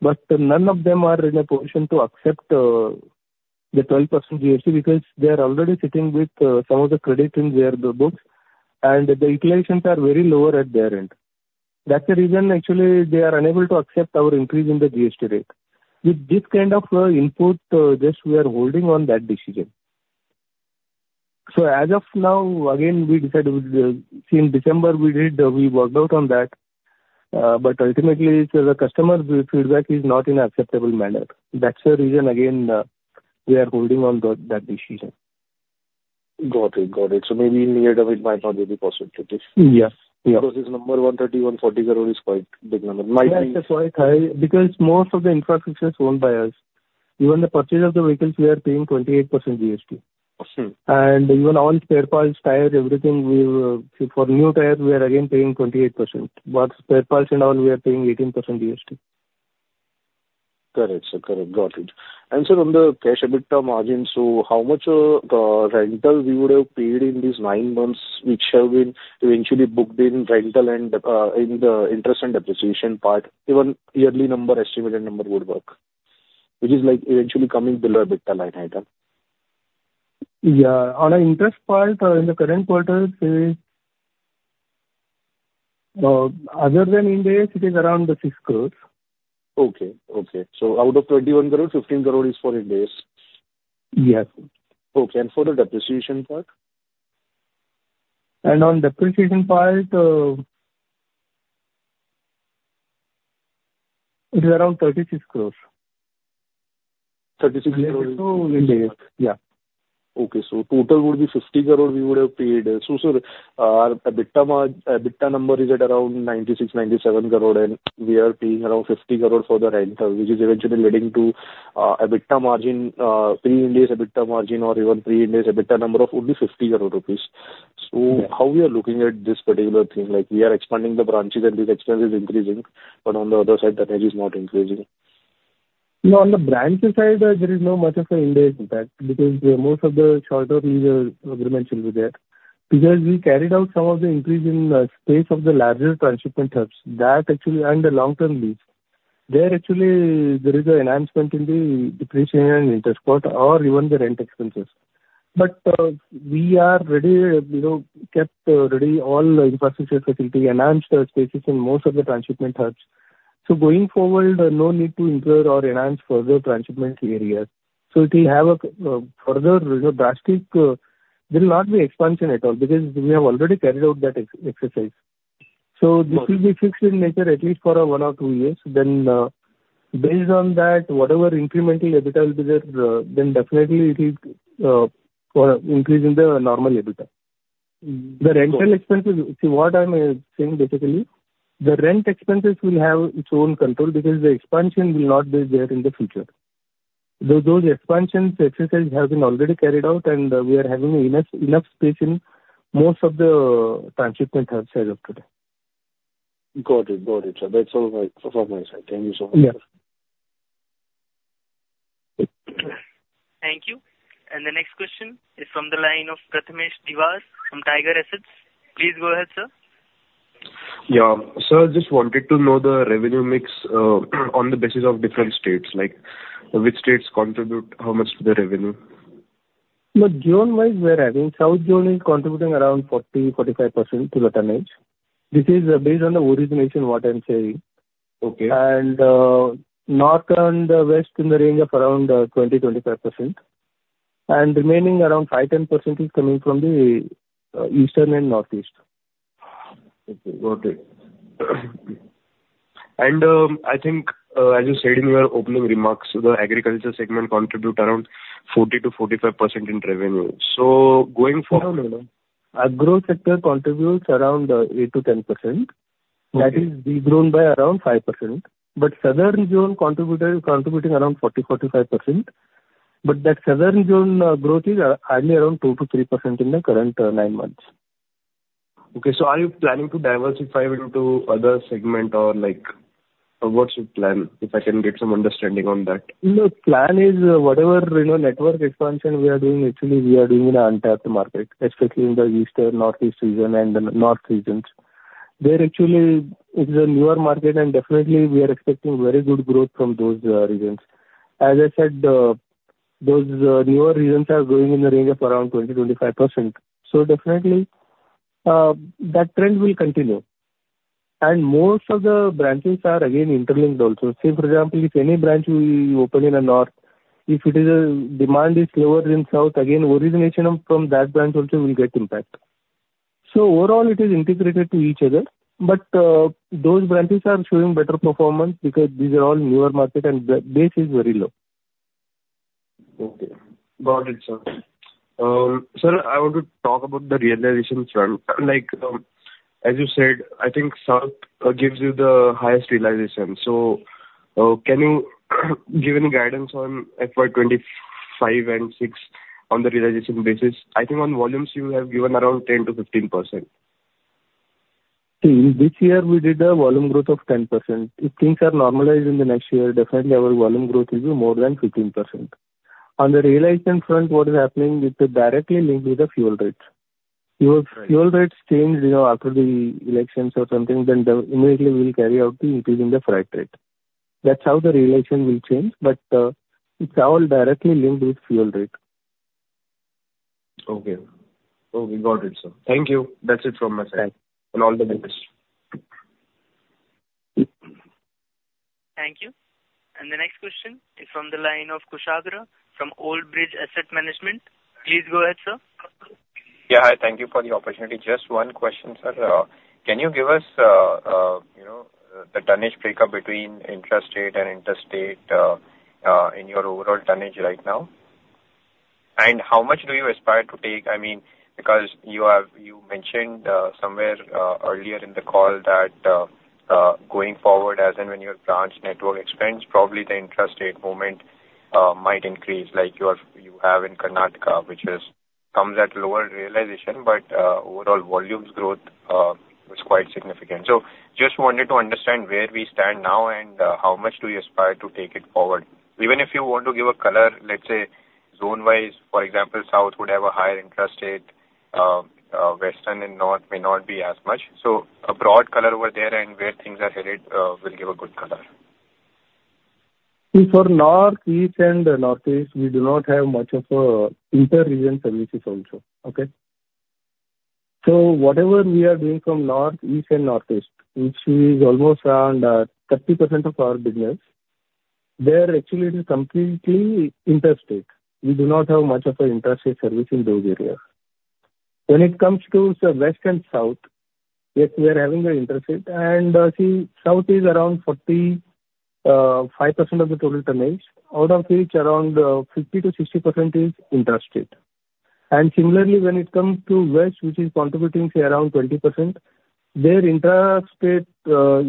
But none of them are in a position to accept the 12% GST because they are already sitting with some of the credit in their books, and the utilizations are very lower at their end. That's the reason, actually, they are unable to accept our increase in the GST rate. With this kind of input, just we are holding on that decision. So as of now, again, we decided see, in December, we worked out on that. But ultimately, the customer feedback is not in an acceptable manner. That's the reason, again, we are holding on that decision. Got it. Got it. So maybe near the end, it might not be possible. Yeah. Yeah. Because this number, 130-140 crore, is quite big number. Might be. That's quite high because most of the infrastructure is owned by us. Even the purchase of the vehicles, we are paying 28% GST. And even all spare parts, tires, everything, for new tires, we are again paying 28%. But spare parts and all, we are paying 18% GST. Correct. Sir, correct. Got it. And sir, on the cash EBITDA margins, so how much rental we would have paid in these nine months which have been eventually booked in rental and in the interest and depreciation part. Even yearly number, estimated number would work, which is eventually coming below EBITDA line item. Yeah. On the interest part, in the current quarter, other than Ind AS, it is around the 6 crore. Okay. Okay. So out of 21 crores, 15 crores is for Ind AS? Yes. Okay. And for the depreciation part? On depreciation part, it is around INR 36 crores. 36 crores? Also Ind AS. Yeah. Okay. So total would be 50 crore we would have paid. So sir, our EBITDA number is at around 96 crore-97 crore, and we are paying around 50 crore for the rental, which is eventually leading to EBITDA margin, pre-Ind AS EBITDA margin, or even pre-Ind AS EBITDA number of only 50 crore rupees. So how we are looking at this particular thing, we are expanding the branches, and this expense is increasing. But on the other side, tonnage is not increasing. No, on the branches side, there is no much of an Ind AS impact because most of the shorter lease agreements will be there. Because we carried out some of the increase in space of the larger transshipment hubs, that actually and the long-term lease, there actually, there is an enhancement in the depreciation and interest part or even the rent expenses. But we are ready, kept ready, all infrastructure facility enhanced spaces in most of the transshipment hubs. So going forward, no need to improve or enhance further transshipment areas. So if we have a further drastic, there will not be expansion at all because we have already carried out that exercise. So this will be fixed in nature at least for one or two years. Then based on that, whatever incremental agarbatti will be there, then definitely, it is increasing the normal agarbatti. The rental expenses, see, what I'm saying basically, the rent expenses will have its own control because the expansion will not be there in the future. Those expansion exercises have been already carried out, and we are having enough space in most of the transshipment hubs as of today. Got it. Got it, sir. That's all from my side. Thank you so much, sir. Yeah. Thank you. The next question is from the line of Prathamesh Dhiwar from Tiger Assets. Please go ahead, sir. Yeah. Sir, I just wanted to know the revenue mix on the basis of different states, which states contribute how much to the revenue? But zone-wise, we are having South Zone is contributing around 40%-45% to the tonnage. This is based on the origination, what I'm saying. And North and West in the range of around 20%-25%. And remaining around 5%-10% is coming from the Eastern and Northeast. Okay. Got it. And I think, as you said in your opening remarks, the agriculture segment contributes around 40%-45% in revenue. So going forward. No, no, no. Agro sector contributes around 8%-10%. That is de-grown by around 5%. But Southern Zone contributing around 40%-45%. But that Southern Zone growth is only around 2%-3% in the current nine months. Okay. So are you planning to diversify into other segments, or what's your plan, if I can get some understanding on that? No, plan is whatever network expansion we are doing, actually, we are doing in an untapped market, especially in the Eastern, North-East region, and the North regions. It's a newer market, and definitely, we are expecting very good growth from those regions. As I said, those newer regions are growing in the range of around 20%-25%. So definitely, that trend will continue. And most of the branches are again interlinked also. See, for example, if any branch we open in the North, if demand is lower in South, again, origination from that branch also will get impact. So overall, it is integrated to each other. But those branches are showing better performance because these are all newer markets, and base is very low. Okay. Got it, sir. Sir, I want to talk about the realization front. As you said, I think South gives you the highest realization. So can you give any guidance on FY 2025 and 2026 on the realization basis? I think on volumes, you have given around 10%-15%. See, this year, we did a volume growth of 10%. If things are normalized in the next year, definitely, our volume growth will be more than 15%. On the realization front, what is happening, it's directly linked with the fuel rates. If fuel rates change after the elections or something, then immediately, we will carry out the increase in the freight rate. That's how the realization will change. But it's all directly linked with fuel rate. Okay. Okay. Got it, sir. Thank you. That's it from my side. Thanks. All the best. Thank you. The next question is from the line of Kushagra from Old Bridge Asset Management. Please go ahead, sir. Yeah. Hi. Thank you for the opportunity. Just one question, sir. Can you give us the tonnage breakup between intra-state and interstate in your overall tonnage right now? And how much do you aspire to take? I mean, because you mentioned somewhere earlier in the call that going forward, as in when your branch network expands, probably the intra-state movement might increase. You have in Karnataka, which comes at lower realization, but overall, volume growth was quite significant. So just wanted to understand where we stand now and how much do you aspire to take it forward. Even if you want to give a color, let's say, zone-wise, for example, South would have a higher intra-state. Western and North may not be as much. So a broad color over there and where things are headed will give a good color. See, for North, East, and Northeast, we do not have much of inter-region services also. Okay? So whatever we are doing from North, East, and Northeast, which is almost around 30% of our business, there actually is completely interstate. We do not have much of an interstate service in those areas. When it comes to the West and South, yes, we are having an interstate. And see, South is around 45% of the total tonnage, out of which around 50%-60% is interstate. And similarly, when it comes to West, which is contributing around 20%, their interstate or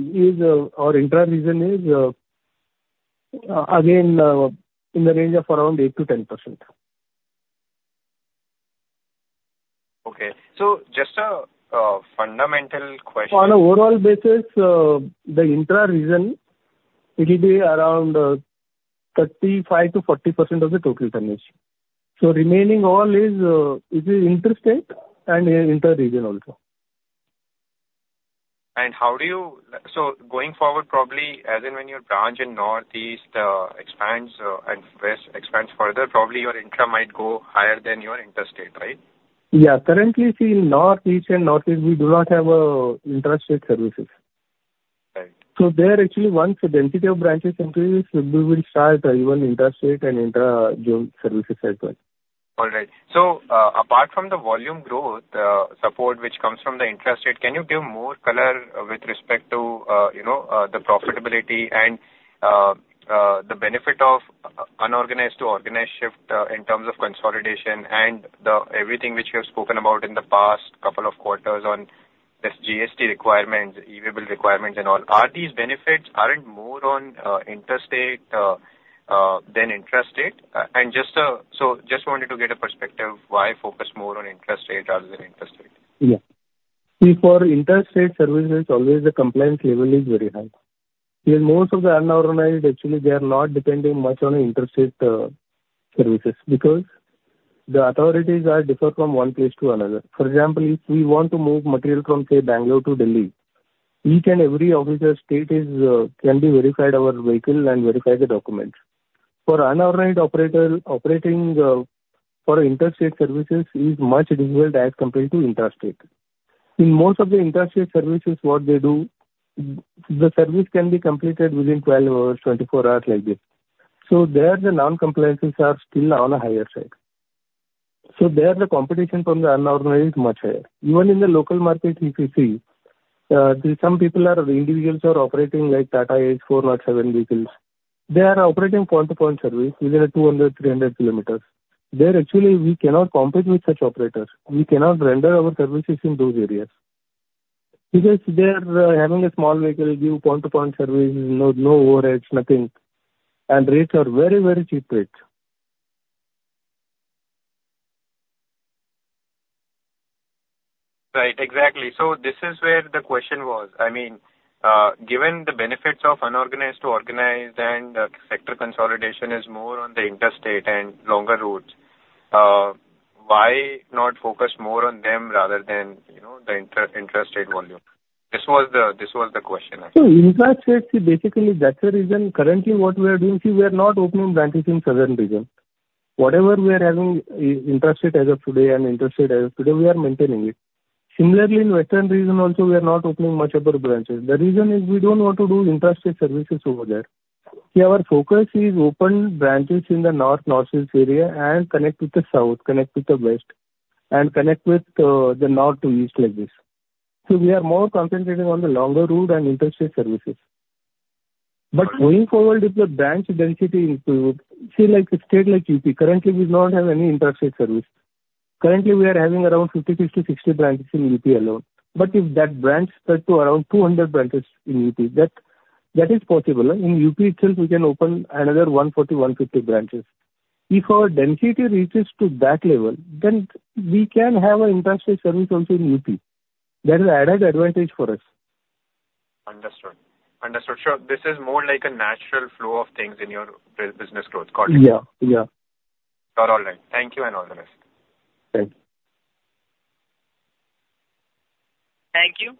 intra-region is again in the range of around 8%-10%. Okay. So just a fundamental question. On an overall basis, the intra-region, it will be around 35%-40% of the total tonnage. So remaining all is interstate and intra-region also. How do you see going forward, probably, as in when your branch in North-East expands and West expands further, probably your intra might go higher than your interstate, right? Yeah. Currently, see, in North, East, and Northeast, we do not have interstate services. So there actually, once the density of branches increases, we will start even interstate and intra-zone services as well. All right. So apart from the volume growth support, which comes from the interstate, can you give more color with respect to the profitability and the benefit of unorganized to organized shift in terms of consolidation and everything which you have spoken about in the past couple of quarters on this GST requirements, E-way bill requirements, and all? Are these benefits more on interstate than interstate? And so just wanted to get a perspective, why focus more on interstate rather than interstate? Yeah. See, for interstate services, always the compliance level is very high. See, most of the unorganized, actually, they are not depending much on interstate services because the authorities differ from one place to another. For example, if we want to move material from, say, Bangalore to Delhi, each and every officer's state can be verified our vehicle and verify the documents. For unorganized operating, for interstate services, it is much difficult as compared to interstate. In most of the interstate services, what they do, the service can be completed within 12 hours, 24 hours like this. So there, the non-compliances are still on a higher side. So there, the competition from the unorganized is much higher. Even in the local market, if you see, some people are individuals who are operating Tata 407 vehicles. They are operating point-to-point service within 200, 300 km. Actually, we cannot compete with such operators. We cannot render our services in those areas because they are having a small vehicle, give point-to-point service, no overheads, nothing. And rates are very, very cheap rates. Right. Exactly. So this is where the question was. I mean, given the benefits of unorganized to organized and sector consolidation is more on the interstate and longer routes, why not focus more on them rather than the interstate volume? This was the question, actually. So interstate, see, basically, that's the reason currently what we are doing. See, we are not opening branches in Southern region. Whatever we are having interstate as of today and interstate as of today, we are maintaining it. Similarly, in Western region also, we are not opening much of our branches. The reason is we don't want to do interstate services over there. See, our focus is open branches in the North, Northeast area, and connect with the South, connect with the West, and connect with the North to East like this. So we are more concentrating on the longer route and interstate services. But going forward, if the branch density includes, see, a state like UP, currently, we do not have any interstate service. Currently, we are having around 50, 50, 60 branches in UP alone. But if that branch spread to around 200 branches in UP, that is possible. In UP itself, we can open another 140, 150 branches. If our density reaches to that level, then we can have an interstate service also in UP. That is an added advantage for us. Understood. Understood. So this is more like a natural flow of things in your business growth, correct? Yeah. Yeah. You are all right. Thank you and all the best. Thanks. Thank you.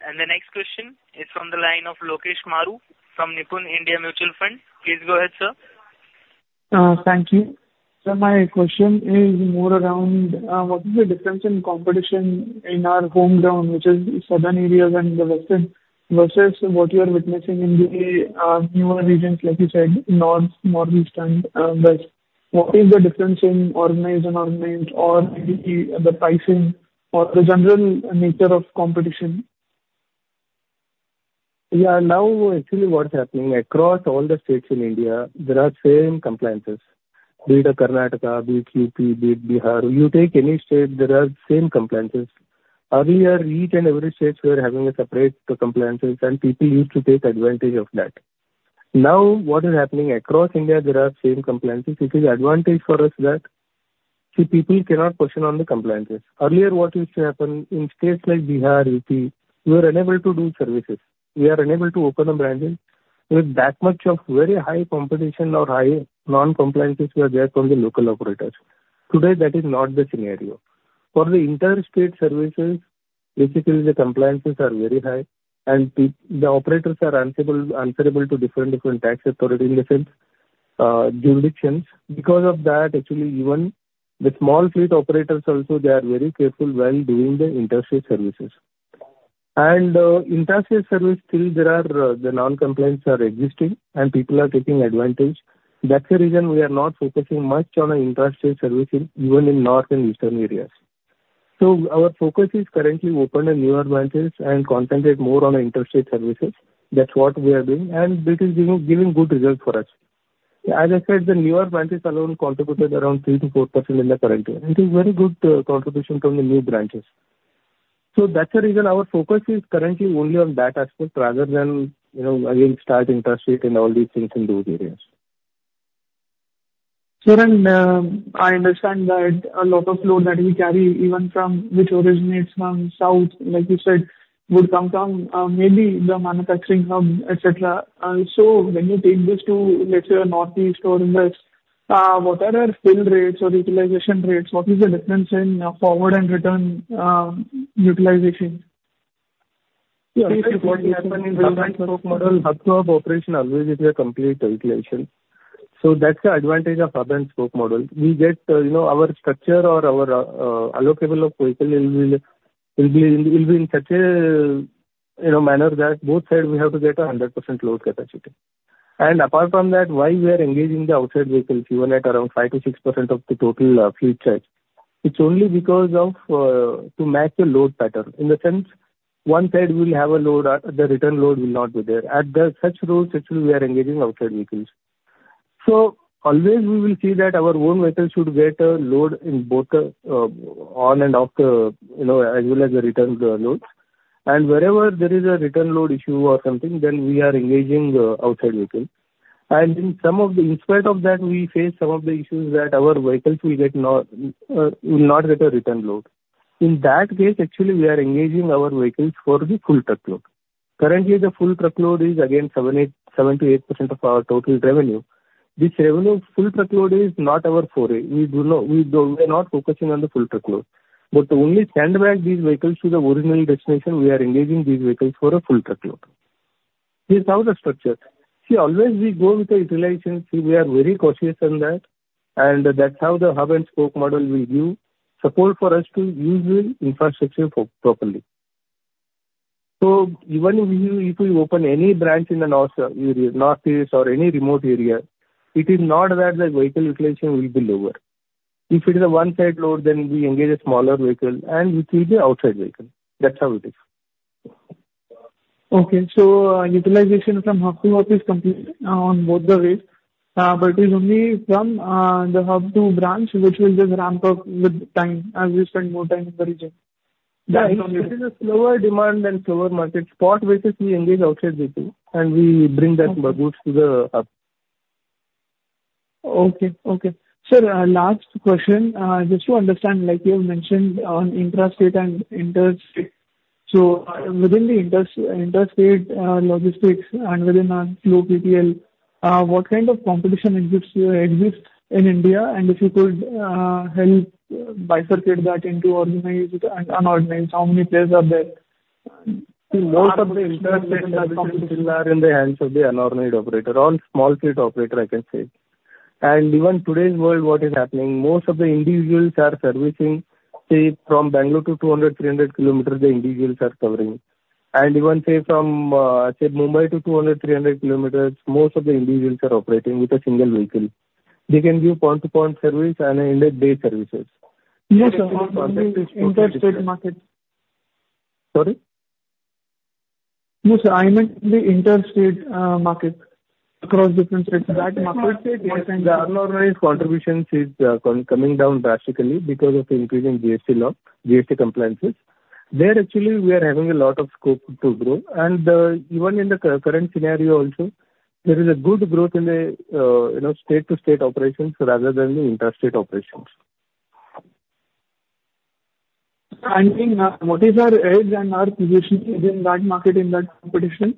The next question is from the line of Lokesh Maru from Nippon India Mutual Fund. Please go ahead, sir. Thank you. Sir, my question is more around what is the difference in competition in our home ground, which is Southern areas and the Western, versus what you are witnessing in the newer regions, like you said, North, Northeast, and West? What is the difference in organized and unorganized or the pricing or the general nature of competition? Yeah. Now, actually, what's happening across all the states in India, there are same compliances. Be it Karnataka, be it UP, be it Bihar, you take any state, there are same compliances. Earlier, each and every state, we were having separate compliances, and people used to take advantage of that. Now, what is happening across India, there are same compliances. It is an advantage for us that, see, people cannot push on the compliances. Earlier, what used to happen in states like Bihar, UP, we were unable to do services. We are unable to open the branches with that much of very high competition or high non-compliances were there from the local operators. Today, that is not the scenario. For the interstate services, basically, the compliances are very high, and the operators are answerable to different tax authorities in the same jurisdictions. Because of that, actually, even the small fleet operators also, they are very careful while doing the interstate services. And interstate service, still, the non-compliances are existing, and people are taking advantage. That's the reason we are not focusing much on interstate services even in North and Eastern areas. So our focus is currently opening newer branches and concentrating more on interstate services. That's what we are doing, and it is giving good results for us. As I said, the newer branches alone contributed around 3%-4% in the current year. It is a very good contribution from the new branches. So that's the reason our focus is currently only on that aspect rather than, again, starting interstate and all these things in those areas. Sir, and I understand that a lot of load that we carry, even which originates from South, like you said, would come from maybe the manufacturing hub, etc. So when you take this to, let's say, a Northeast or a West, what are our fill rates or utilization rates? What is the difference in forward and return utilization? See, what happened in the hub-and-spoke model, hub-to-hub operation always is a complete utilization. So that's the advantage of hub-and-spoke model. We get our structure or our allocable of vehicle will be in such a manner that both sides, we have to get 100% load capacity. And apart from that, why we are engaging the outside vehicles, even at around 5%-6% of the total fleet size, it's only because of to match the load pattern. In the sense, one side, we will have a load; the return load will not be there. At such routes, actually, we are engaging outside vehicles. So always, we will see that our own vehicles should get a load on and off as well as the return loads. And wherever there is a return load issue or something, then we are engaging outside vehicles. And in some of the in spite of that, we face some of the issues that our vehicles will not get a return load. In that case, actually, we are engaging our vehicles for the full truckload. Currently, the full truckload is, again, 7%-8% of our total revenue. This revenue, full truckload, is not our foray. We are not focusing on the full truckload. But to only send back these vehicles to the original destination, we are engaging these vehicles for a full truckload. This is how the structure is. See, always, we go with the Utilization. See, we are very cautious on that. And that's how the Hub-and-Spoke Model will give support for us to use the infrastructure properly. So even if we open any branch in a North-East or any remote area, it is not that the vehicle Utilization will be lower. If it is a one-side load, then we engage a smaller vehicle, and it will be an outside vehicle. That's how it is. Okay. So utilization from hub to hub is complete on both the ways. But it is only from the hub to branch, which will just ramp up with time as we spend more time in the region. Yes. It is a slower demand and slower market. Spot-wise, we engage outside vehicles, and we bring that goods to the hub. Okay. Okay. Sir, last question. Just to understand, you have mentioned on interstate and interstate. So within the interstate logistics and within our slow PTL, what kind of competition exists in India? And if you could help bifurcate that into organized and unorganized, how many players are there? See, most of the interstate competition is in the hands of the unorganized operator, all small fleet operator, I can say. And even today's world, what is happening, most of the individuals are servicing, say, from Bangalore to 200-300 km, the individuals are covering. And even, say, from, say, Mumbai to 200-300 km, most of the individuals are operating with a single vehicle. They can give point-to-point service and in-depth day services. Yes, sir. Interstate market. Sorry? Yes, sir. I meant the interstate market across different states. That market. The unorganized contribution is coming down drastically because of increasing GST law, GST compliances. There, actually, we are having a lot of scope to grow. Even in the current scenario also, there is a good growth in the state-to-state operations rather than the interstate operations. What is our edge and our position in that market, in that competition?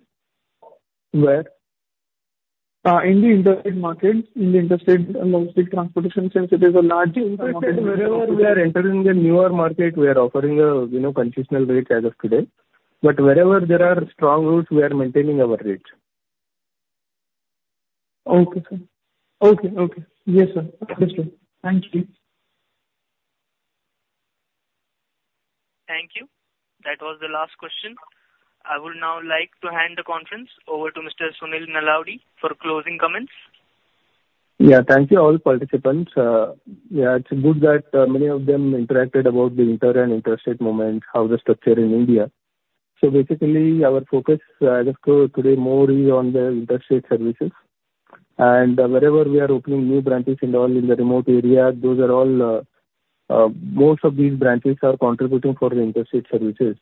Where? In the interstate market, in the interstate logistics transportation, since it is a large. Interstate, wherever we are entering the newer market, we are offering a concessional rate as of today. But wherever there are strong routes, we are maintaining our rates. Okay, sir. Okay. Okay. Yes, sir. Understood. Thank you. Thank you. That was the last question. I would now like to hand the conference over to Mr. Sunil Nalavadi for closing comments. Yeah. Thank you, all participants. Yeah. It's good that many of them interacted about the inter and interstate movement, how the structure is in India. So basically, our focus as of today more is on the interstate services. And wherever we are opening new branches and all in the remote area, those are all most of these branches are contributing for the interstate services.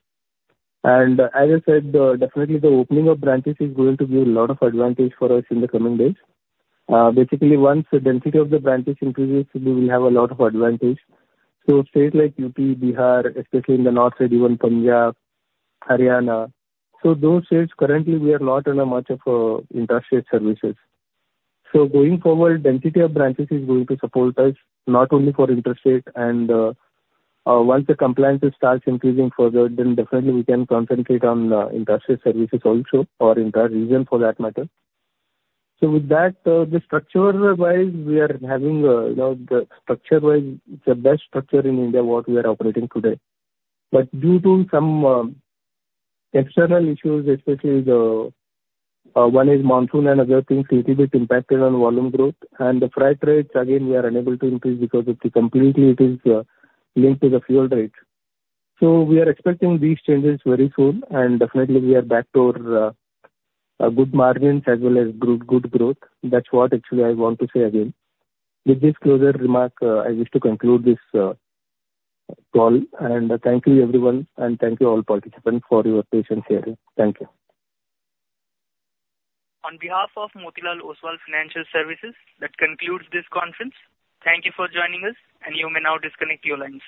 And as I said, definitely, the opening of branches is going to give a lot of advantage for us in the coming days. Basically, once the density of the branches increases, we will have a lot of advantage. So states like UP, Bihar, especially in the North, even Punjab, Haryana, so those states, currently, we are not on much of interstate services. So going forward, density of branches is going to support us not only for interstate. And once the compliance starts increasing further, then definitely, we can concentrate on interstate services also or interregion for that matter. So with that, the structure-wise, we are having the structure-wise; it's the best structure in India what we are operating today. But due to some external issues, especially one is monsoon and other things a little bit impacted on volume growth. And the freight rates, again, we are unable to increase because completely, it is linked to the fuel rates. So we are expecting these changes very soon. And definitely, we are back to good margins as well as good growth. That's what, actually, I want to say again. With this closing remark, I wish to conclude this call. And thank you, everyone. And thank you, all participants, for your patience here. Thank you. On behalf of Motilal Oswal Financial Services, that concludes this conference. Thank you for joining us. You may now disconnect your lines.